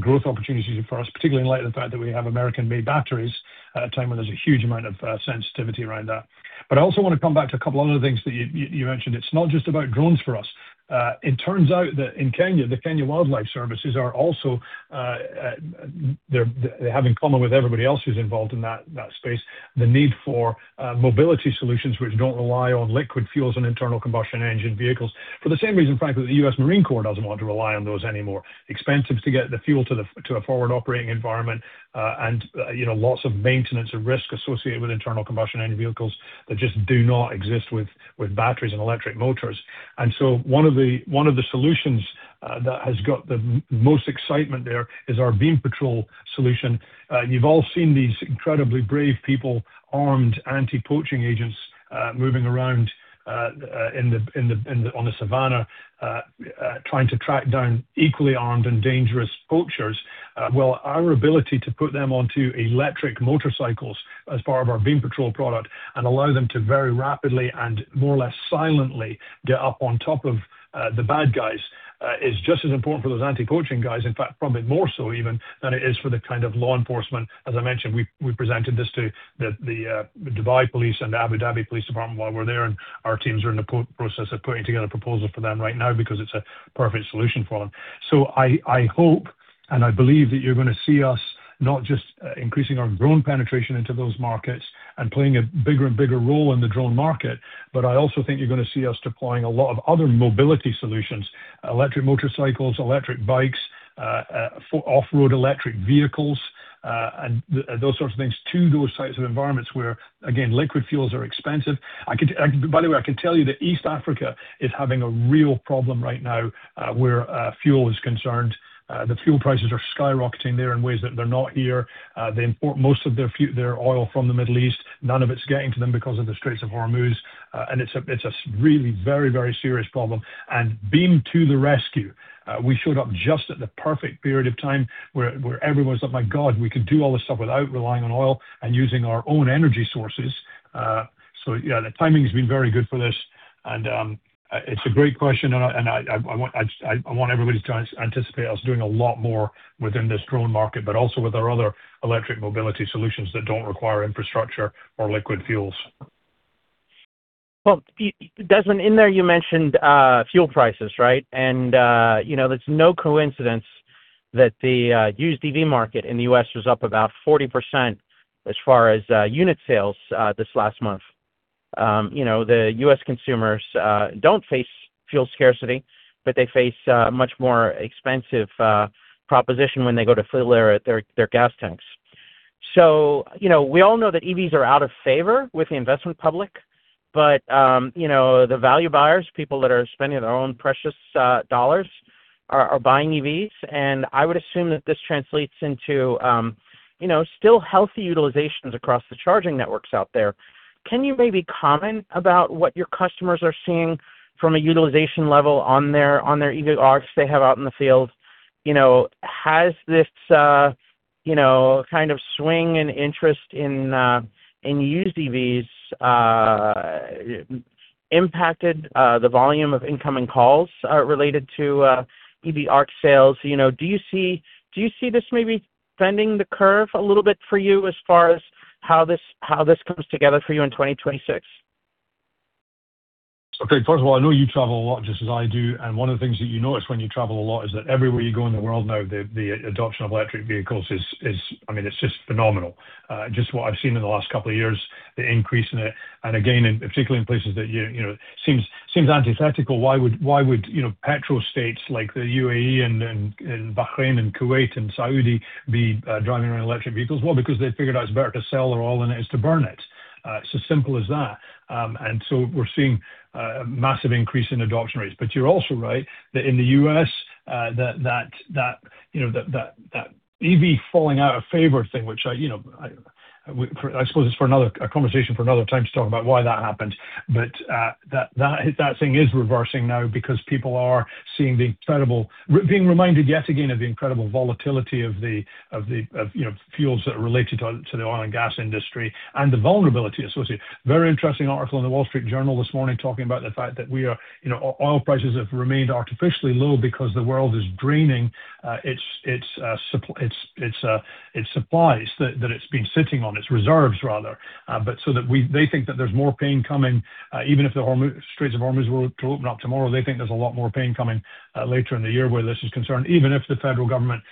S3: growth opportunity for us, particularly in light of the fact that we have American-made batteries at a time when there's a huge amount of sensitivity around that. I also wanna come back to a couple other things that you mentioned. It's not just about drones for us. It turns out that in Kenya, the Kenya Wildlife Service are also, they're, they have in common with everybody else who's involved in that space, the need for mobility solutions which don't rely on liquid fuels and internal combustion engine vehicles. For the same reason, frankly, the U.S. Marine Corps doesn't want to rely on those anymore. Expensive to get the fuel to a forward operating environment, and, you know, lots of maintenance and risk associated with internal combustion engine vehicles that just do not exist with batteries and electric motors. So one of the solutions that has got the most excitement there is our BeamPatrol solution. And you've all seen these incredibly brave people, armed anti-poaching agents, moving around in the, on the savanna, trying to track down equally armed and dangerous poachers. Well, our ability to put them onto electric motorcycles as part of our BeamPatrol product and allow them to very rapidly and more or less silently get up on top of the bad guys, is just as important for those anti-poaching guys. In fact, probably more so even than it is for the kind of law enforcement. As I mentioned, we presented this to the Dubai Police and Abu Dhabi Police Department while we're there, and our teams are in the process of putting together a proposal for them right now because it's a perfect solution for them. I hope and I believe that you're gonna see us not just increasing our drone penetration into those markets and playing a bigger and bigger role in the drone market, but I also think you're gonna see us deploying a lot of other mobility solutions. Electric motorcycles, electric bikes, off-road electric vehicles, and those sorts of things to those types of environments where, again, liquid fuels are expensive. By the way, I can tell you that East Africa is having a real problem right now, where fuel is concerned. The fuel prices are skyrocketing there in ways that they're not here. They import most of their oil from the Middle East. None of it's getting to them because of the Strait of Hormuz. It's a really very, very serious problem. Beam to the rescue. We showed up just at the perfect period of time where everyone's like, my God, we can do all this stuff without relying on oil and using our own energy sources. Yeah, the timing has been very good for this. It's a great question, I want everybody to anticipate us doing a lot more within this drone market, but also with our other electric mobility solutions that don't require infrastructure or liquid fuels.
S5: Well, Desmond, in there you mentioned fuel prices, right? You know, there's no coincidence that the used EV market in the U.S. was up about 40% as far as unit sales this last month. You know, the U.S. consumers don't face fuel scarcity, but they face a much more expensive proposition when they go to fill their gas tanks. You know, we all know that EVs are out of favor with the investment public, but you know, the value buyers, people that are spending their own precious dollars are buying EVs. I would assume that this translates into, you know, still healthy utilizations across the charging networks out there. Can you maybe comment about what your customers are seeing from a utilization level on their EV ARCs they have out in the field? You know, has this, you know, kind of swing in interest in used EVs impacted the volume of incoming calls related to EV ARC sales? You know, do you see this maybe bending the curve a little bit for you as far as how this, how this comes together for you in 2026?
S3: Okay. First of all, I know you travel a lot just as I do, and one of the things that you notice when you travel a lot is that everywhere you go in the world now, the adoption of electric vehicles is, I mean, it's just phenomenal. Just what I've seen in the last couple of years, the increase in it, and again, in particularly in places that you know, seems antithetical. Why would, you know, petrol states like the U.A.E. and Bahrain and Kuwait and Saudi be driving around electric vehicles? Well, because they figured out it's better to sell their oil than it is to burn it. It's as simple as that. We're seeing a massive increase in adoption rates. You're also right that in the U.S., that EV falling out of favor thing, which I, you know, I suppose it's a conversation for another time to talk about why that happened. That thing is reversing now because people are seeing the incredible being reminded yet again of the incredible volatility of the, you know, fuels that are related to the oil and gas industry and the vulnerability associated. Very interesting article in The Wall Street Journal this morning talking about the fact that we are, you know, oil prices have remained artificially low because the world is draining its supply, its supplies that it's been sitting on, its reserves rather. They think that there's more pain coming, even if the Strait of Hormuz were to open up tomorrow, they think there's a lot more pain coming later in the year where this is concerned, even if the federal government,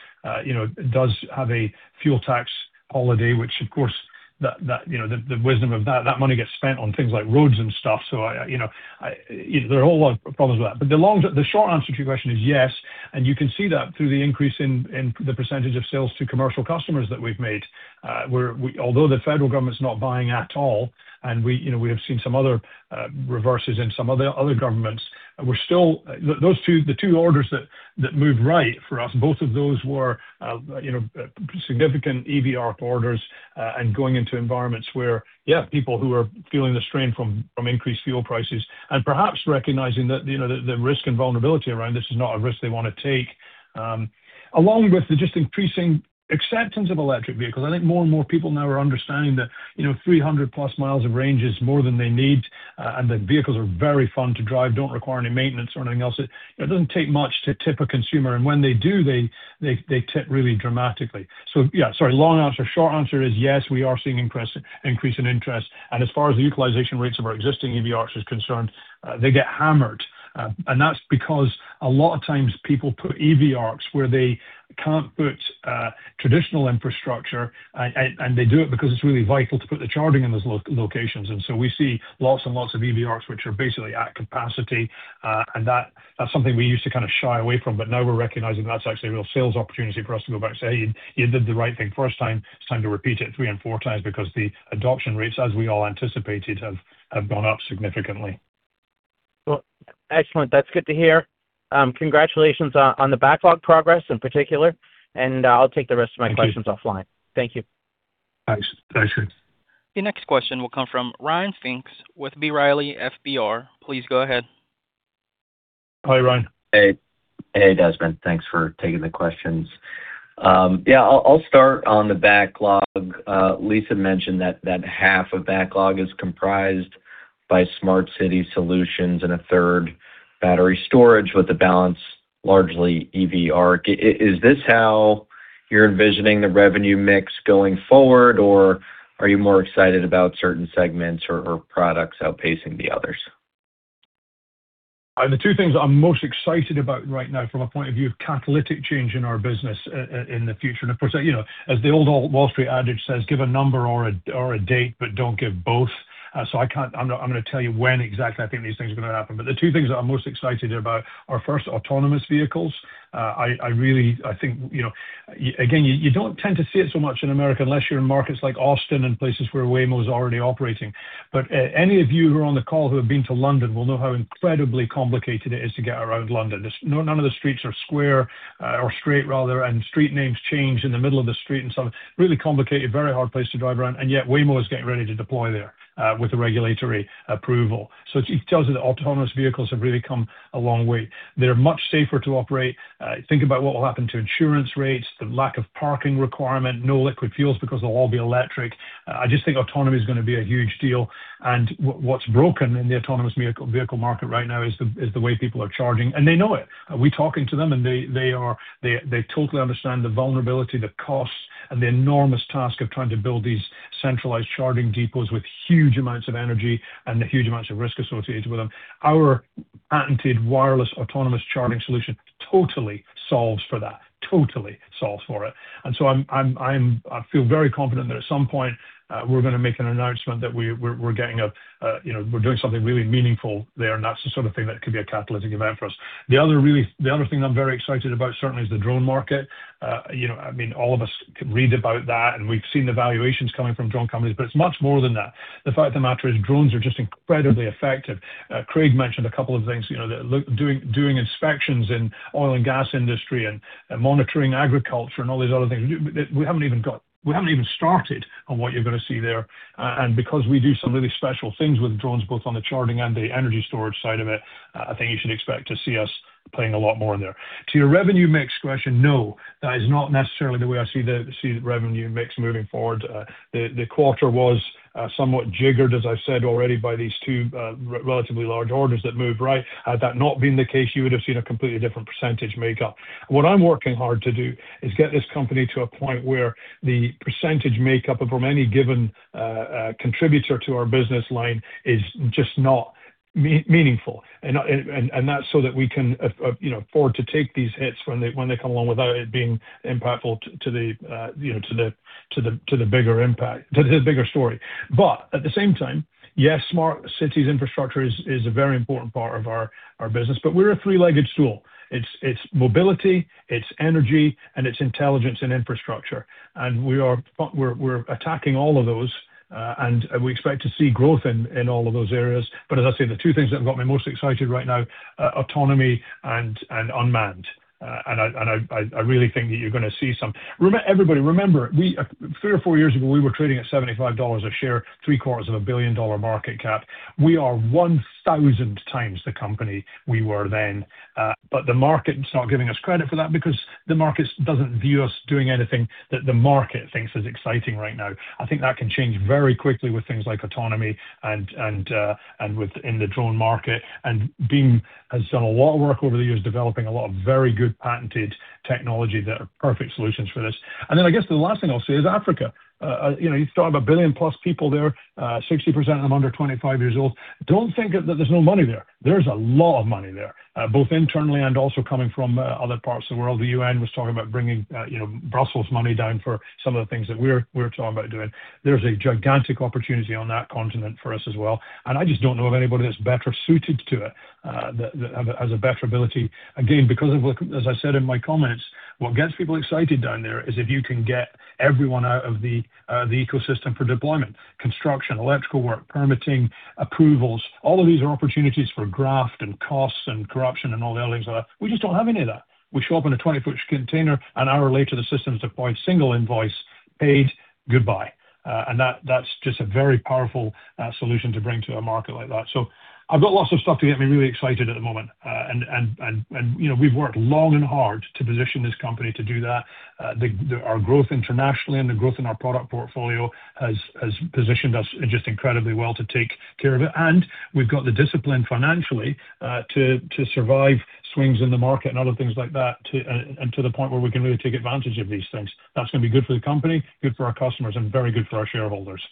S3: you know, does have a fuel tax holiday, which of course the, you know, the wisdom of that money gets spent on things like roads and stuff. You know, there are a whole lot of problems with that. The short answer to your question is yes, and you can see that through the increase in the percentage of sales to commercial customers that we've made. Although the federal government's not buying at all, and we, you know, we have seen some other reverses in some other governments, those two, the two orders that moved right for us, both of those were, you know, significant EV ARC orders, and going into environments where people who are feeling the strain from increased fuel prices and perhaps recognizing that, you know, the risk and vulnerability around this is not a risk they wanna take. Along with the just increasing acceptance of electric vehicles. I think more and more people now are understanding that, you know, 300+ mi of range is more than they need, and the vehicles are very fun to drive, don't require any maintenance or anything else. It, you know, it doesn't take much to tip a consumer, and when they do, they tip really dramatically. Yeah, sorry, long answer. Short answer is yes, we are seeing increase in interest, and as far as the utilization rates of our existing EV ARC is concerned, they get hammered. That's because a lot of times people put EV ARC where they can't put traditional infrastructure, and they do it because it's really vital to put the charging in those locations. We see lots and lots of EV ARC, which are basically at capacity, that's something we used to kind of shy away from, now we're recognizing that's actually a real sales opportunity for us to go back and say, hey, you did the right thing first time. It's time to repeat it 3x and 4x, because the adoption rates, as we all anticipated, have gone up significantly.
S5: Well, excellent. That's good to hear. Congratulations on the backlog progress in particular, and I'll take the rest of my questions.
S3: Thank you.
S5: Thank you.
S3: Thanks. Thanks.
S1: Your next question will come from Ryan Pfingst with B. Riley FBR. Please go ahead.
S3: Hi, Ryan.
S6: Hey. Hey, Desmond. Thanks for taking the questions. Yeah, I'll start on the backlog. Lisa mentioned that half of backlog is comprised by smart city solutions and a third battery storage with the balance largely EV ARC. Is this how you're envisioning the revenue mix going forward, or are you more excited about certain segments or products outpacing the others?
S3: The two things I'm most excited about right now from a point of view of catalytic change in our business in the future. Of course, you know, as the old Wall Street adage says, give a number or a, or a date, but don't give both. I can't I'm gonna tell you when exactly I think these things are gonna happen. The two things that I'm most excited about are, first, autonomous vehicles. I really, I think, you know, again, you don't tend to see it so much in America unless you're in markets like Austin and places where Waymo is already operating. Any of you who are on the call who have been to London will know how incredibly complicated it is to get around London. There's no, none of the streets are square, or straight rather, and street names change in the middle of the street and stuff. Really complicated, very hard place to drive around, yet Waymo is getting ready to deploy there with the regulatory approval. It tells you that autonomous vehicles have really come a long way. They're much safer to operate. Think about what will happen to insurance rates, the lack of parking requirement, no liquid fuels because they'll all be electric. I just think autonomy is gonna be a huge deal. What's broken in the autonomous vehicle market right now is the way people are charging, and they know it. We're talking to them, and they totally understand the vulnerability, the costs, and the enormous task of trying to build these centralized charging depots with huge amounts of energy and the huge amounts of risk associated with them. Our patented wireless autonomous charging solution totally solves for that. Totally solves for it. I'm very confident that at some point, we're gonna make an announcement that we're getting a, you know, we're doing something really meaningful there, and that's the sort of thing that could be a catalytic event for us. The other thing I'm very excited about certainly is the drone market. You know, I mean, all of us read about that, and we've seen the valuations coming from drone companies, but it's much more than that. The fact of the matter is drones are just incredibly effective. Craig mentioned a couple of things, you know, the, look, doing inspections in oil and gas industry and monitoring agriculture and all these other things. We haven't even started on what you're gonna see there. Because we do some really special things with drones, both on the charting and the energy storage side of it, I think you should expect to see us playing a lot more in there. To your revenue mix question, no, that is not necessarily the way I see the revenue mix moving forward. The quarter was somewhat jiggered, as I've said already, by these two relatively large orders that moved, right? Had that not been the case, you would have seen a completely different percentage makeup. What I'm working hard to do is get this company to a point where the percentage makeup of from any given contributor to our business line is just not meaningful. That's so that we can, you know, afford to take these hits when they come along without it being impactful to the, you know, to the bigger impact, to the bigger story. At the same time, yes, smart city infrastructure is a very important part of our business, but we're a three-legged stool. It's mobility, it's energy, and it's intelligence and infrastructure. We're attacking all of those, and we expect to see growth in all of those areas. As I say, the two things that have got me most excited right now, autonomy and unmanned. I really think that you're gonna see some everybody, remember, we, three or four years ago, we were trading at $75 a share, three-quarters of a billion dollar market cap. We are 1,000x the company we were then. The market's not giving us credit for that because the market doesn't view us doing anything that the market thinks is exciting right now. I think that can change very quickly with things like autonomy and in the drone market. Beam has done a lot of work over the years developing a lot of very good patented technology that are perfect solutions for this. I guess the last thing I'll say is Africa. You know, you still have 1,000,000,000+ people there, 60% of them under 25 years old. Don't think that there's no money there. There's a lot of money there, both internally and also coming from other parts of the world. The U.N. was talking about bringing, you know, Brussels money down for some of the things that we're talking about doing. There's a gigantic opportunity on that continent for us as well. I just don't know of anybody that's better suited to it, that has a better ability. Again, because, as I said in my comments, what gets people excited down there is if you can get everyone out of the ecosystem for deployment, construction, electrical work, permitting, approvals. All of these are opportunities for graft and costs and corruption and all the other things like that. We just don't have any of that. We show up in a 20 ft container. An hour later, the system's deployed, single invoice, paid, goodbye. That, that's just a very powerful solution to bring to a market like that. I've got lots of stuff to get me really excited at the moment. You know, we've worked long and hard to position this company to do that. Our growth internationally and the growth in our product portfolio has positioned us just incredibly well to take care of it. We've got the discipline financially, to survive swings in the market and other things like that, and to the point where we can really take advantage of these things. That's gonna be good for the company, good for our customers, and very good for our shareholders.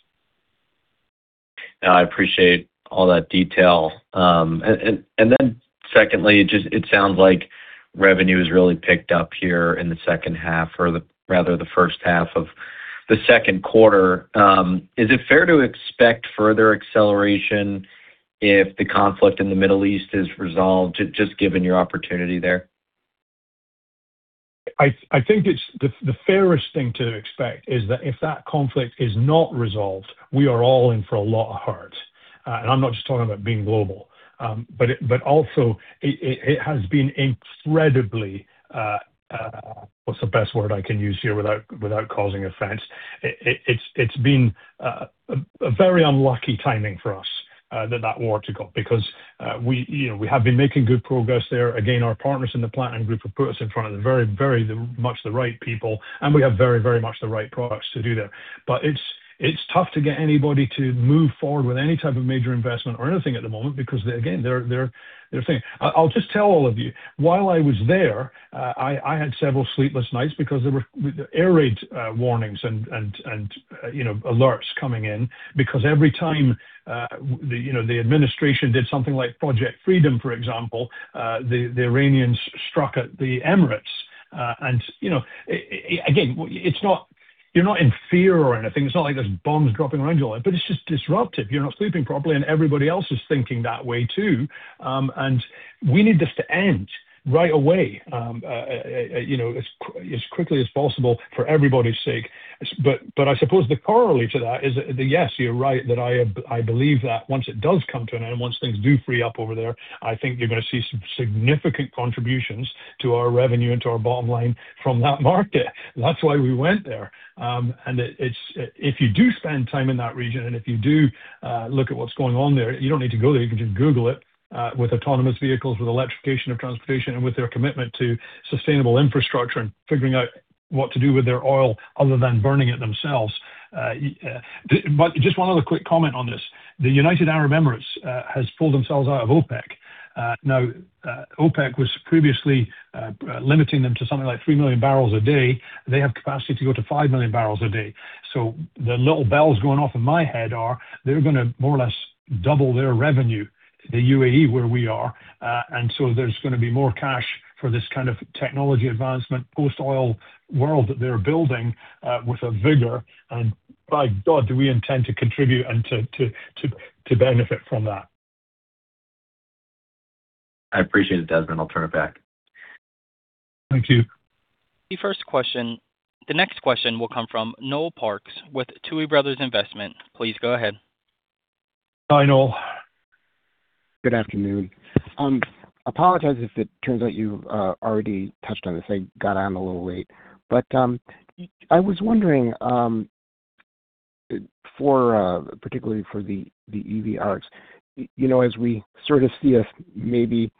S6: Now, I appreciate all that detail. Secondly, just it sounds like revenue has really picked up here in the second half or rather the first half of the second quarter. Is it fair to expect further acceleration if the conflict in the Middle East is resolved, just given your opportunity there?
S3: I think it's the fairest thing to expect is that if that conflict is not resolved, we are all in for a lot of hurt. I'm not just talking about Beam Global. It also has been incredibly what's the best word I can use here without causing offense? It's been a very unlucky timing for us that war to go. We, you know, we have been making good progress there. Again, our partners in the Platinum Group have put us in front of the very, very much the right people, and we have very, very much the right products to do that. It's tough to get anybody to move forward with any type of major investment or anything at the moment because they again, they're saying I'll just tell all of you. While I was there, I had several sleepless nights because there were, with the air raid warnings and, you know, alerts coming in. Every time, the, you know, the administration did something like Project Freedom, for example, the Iranians struck at the Emirates, and, you know, again, it's not. You're not in fear or anything. It's not like there's bombs dropping around you all day, but it's just disruptive. You're not sleeping properly, and everybody else is thinking that way, too. We need this to end right away, you know, as quickly as possible for everybody's sake. I suppose the corollary to that is that, yes, you're right that I believe that once it does come to an end, and once things do free up over there, I think you're gonna see some significant contributions to our revenue and to our bottom line from that market. That's why we went there. And if you do spend time in that region, and if you do look at what's going on there, you don't need to go there, you can just Google it with autonomous vehicles, with electrification of transportation, and with their commitment to sustainable infrastructure and figuring out what to do with their oil other than burning it themselves. Just one other quick comment on this. The United Arab Emirates has pulled themselves out of OPEC. Now, OPEC was previously limiting them to something like 3,000,000 bbl a day. They have capacity to go to 5,000,000 bbl a day. The little bells going off in my head are, they're going to more or less double their revenue to the U.A.E., where we are. There's going to be more cash for this kind of technology advancement post-oil world that they're building with a vigor. By God, do we intend to contribute and to benefit from that.
S6: I appreciate it, Desmond. I'll turn it back.
S3: Thank you.
S1: First question. The next question will come from Noel Parks with Tuohy Brothers Investment. Please go ahead.
S3: Hi, Noel.
S7: Good afternoon. Apologize if it turns out you already touched on this. I got on a little late. I was wondering, for particularly for the EV ARCs, you know, as we sort of see us maybe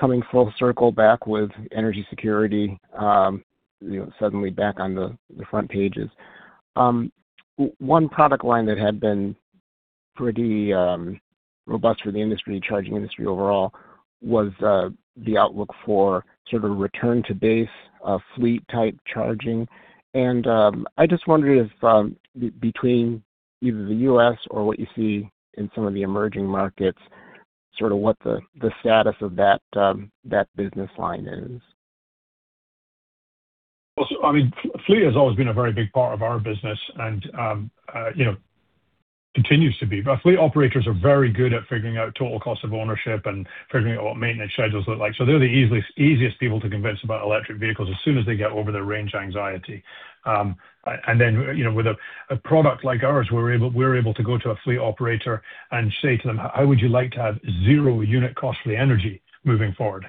S7: coming full circle back with energy security, you know, suddenly back on the front pages, one product line that had been pretty robust for the industry, charging industry overall, was the outlook for sort of a return to base, fleet-type charging. I just wondered if between either the U.S. or what you see in some of the emerging markets, sort of what the status of that business line is.
S3: Well, I mean, fleet has always been a very big part of our business and, you know, continues to be. Fleet operators are very good at figuring out total cost of ownership and figuring out what maintenance schedules look like. They're the easiest people to convince about electric vehicles as soon as they get over their range anxiety. You know, with a product like ours, we're able to go to a fleet operator and say to them, how would you like to have zero unit cost for the energy moving forward?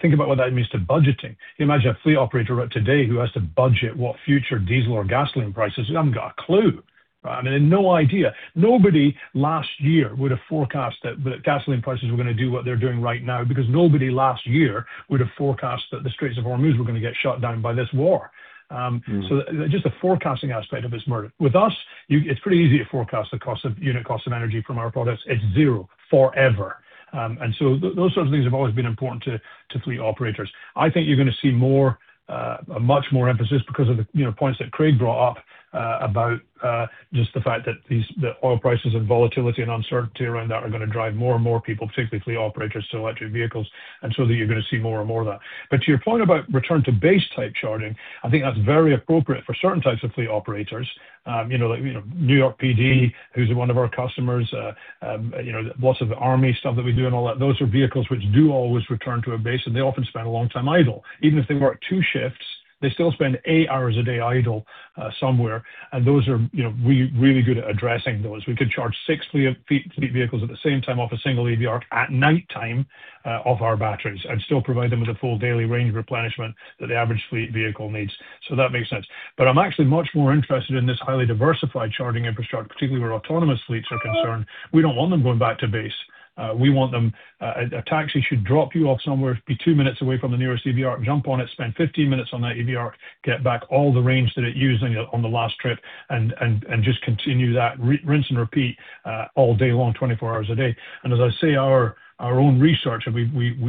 S3: Think about what that means to budgeting. You imagine a fleet operator out today who has to budget what future diesel or gasoline prices, they haven't got a clue, right? I mean, they have no idea. Nobody last year would have forecast that the gasoline prices were gonna do what they're doing right now because nobody last year would have forecast that the Strait of Hormuz were gonna get shut down by this war. Just the forecasting aspect of it is murder. With us, it's pretty easy to forecast the unit cost of energy from our products. It's zero, forever. Those sorts of things have always been important to fleet operators. I think you're gonna see more, much more emphasis because of the, you know, points that Craig brought up, about just the fact that the oil prices and volatility and uncertainty around that are gonna drive more and more people, particularly fleet operators, to electric vehicles, and so that you're gonna see more and more of that. To your point about return to base type charging, I think that's very appropriate for certain types of fleet operators. You know, like, you know, New York PD, who's one of our customers, you know, lots of army stuff that we do and all that, those are vehicles which do always return to a base, and they often spend a long time idle. Even if they work two shifts, they still spend eight hours a day idle somewhere, and those are, you know, really good at addressing those. We could charge six fleet vehicles at the same time off a single EV ARC at night time off our batteries and still provide them with the full daily range replenishment that the average fleet vehicle needs. That makes sense. I'm actually much more interested in this highly diversified charging infrastructure, particularly where autonomous fleets are concerned. We don't want them going back to base. We want them. A taxi should drop you off somewhere, be two minutes away from the nearest EV ARC, jump on it, spend 15 minutes on that EV ARC, get back all the range that it used on the last trip, and just continue that, rinse and repeat, all day long, 24 hours a day. As I say, our own research, and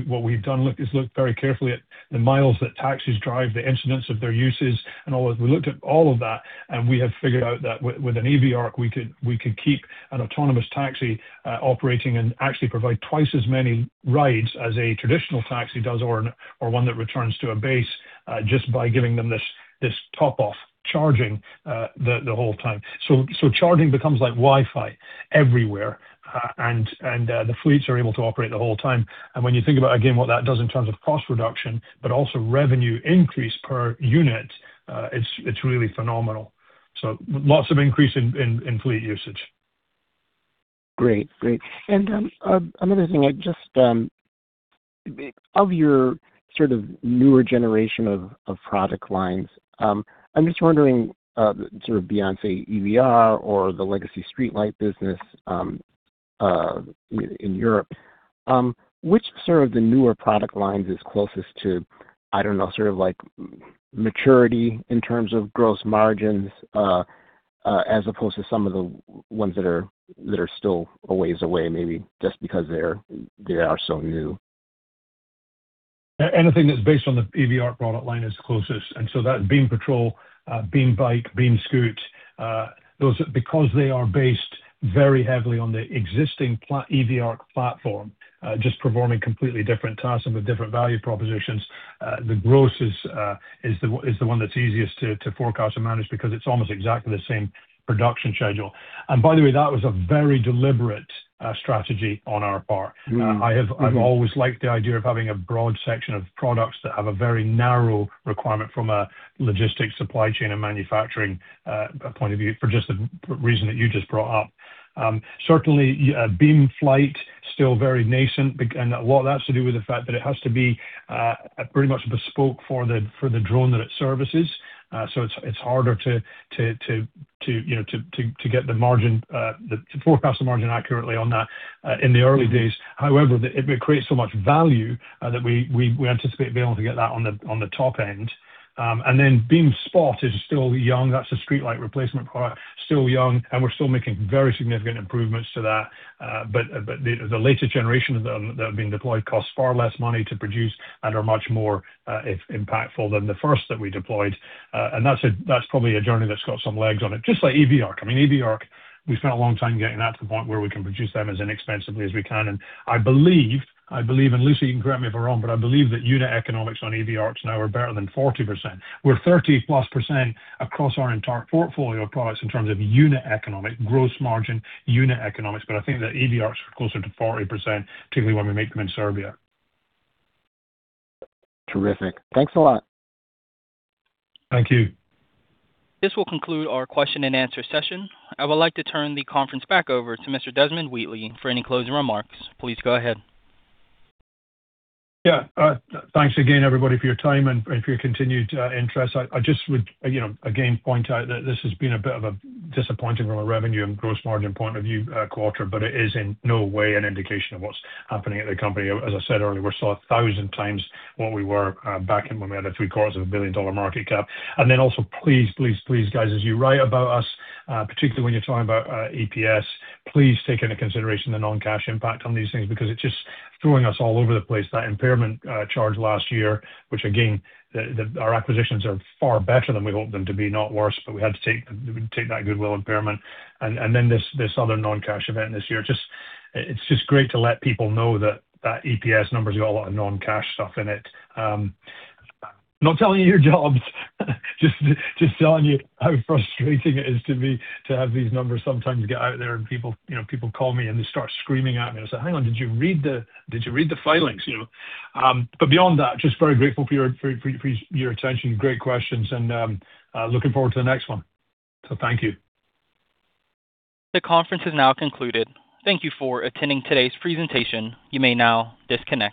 S3: what we've done is looked very carefully at the miles that taxis drive, the incidents of their uses. We looked at all of that, and we have figured out that with an EV ARC, we could keep an autonomous taxi operating and actually provide twice as many rides as a traditional taxi does or one that returns to a base, just by giving them this top-off charging the whole time. Charging becomes like Wi-Fi everywhere, and the fleets are able to operate the whole time. When you think about, again, what that does in terms of cost reduction, but also revenue increase per unit, it's really phenomenal. Lots of increase in fleet usage.
S7: Great. Great. Another thing, I just of your sort of newer generation of product lines, I'm just wondering sort of beyond, say, EV ARC or the legacy streetlight business in Europe, which sort of the newer product lines is closest to, I don't know, sort of like maturity in terms of gross margins as opposed to some of the ones that are still a ways away, maybe just because they are so new?
S3: Anything that's based on the EV ARC product line is closest. That BeamPatrol, BeamBike, BeamScoot, those are because they are based very heavily on the existing EV ARC platform, just performing completely different tasks and with different value propositions, the gross is the one that's easiest to forecast and manage because it's almost exactly the same production schedule. By the way, that was a very deliberate strategy on our part.
S7: Mm-hmm. Mm-hmm.
S3: I've always liked the idea of having a broad section of products that have a very narrow requirement from a logistics supply chain and manufacturing point of view for just the reason that you just brought up. Certainly, BeamFlight, still very nascent and a lot of that's to do with the fact that it has to be pretty much bespoke for the drone that it services. So it's harder to, you know, to get the margin to forecast the margin accurately on that in the early days. However, it creates so much value that we anticipate being able to get that on the top end. Then BeamSpot is still young. That's a streetlight replacement product. Still young, we're still making very significant improvements to that. But the later generation of them that have been deployed costs far less money to produce and are much more impactful than the first that we deployed. That's probably a journey that's got some legs on it, just like EV ARC. I mean, EV ARC, we spent a long time getting that to the point where we can produce them as inexpensively as we can. I believe, and Lisa, you can correct me if I'm wrong, but I believe that unit economics on EV ARCs now are better than 40%. We're 30%+ across our entire portfolio of products in terms of unit economic, gross margin unit economics, but I think the EV ARCs are closer to 40%, particularly when we make them in Serbia.
S7: Terrific. Thanks a lot.
S3: Thank you.
S1: This will conclude our question-and-answer session. I would like to turn the conference back over to Mr. Desmond Wheatley for any closing remarks. Please go ahead.
S3: Yeah. Thanks again, everybody, for your time and for your continued interest. I just would, you know, again, point out that this has been a bit of a disappointing from a revenue and gross margin point of view, quarter, but it is in no way an indication of what's happening at the company. As I said earlier, we're still 1,000x what we were back in when we had a three-quarters of a billion market cap. Also, please, please, guys, as you write about us, particularly when you're talking about EPS, please take into consideration the non-cash impact on these things because it's just throwing us all over the place. That impairment charge last year, which again, our acquisitions are far better than we hoped them to be, not worse, but we had to take that goodwill impairment. Then this other non-cash event this year. It's just great to let people know that EPS number's got a lot of non-cash stuff in it. I'm not telling you your jobs, just telling you how frustrating it is to me to have these numbers sometimes get out there and people, you know, people call me and they start screaming at me. I say, hang on, did you read the filings? You know. Beyond that, just very grateful for your attention. Great questions. Looking forward to the next one. Thank you.
S1: The conference is now concluded. Thank you for attending today's presentation. You may now disconnect.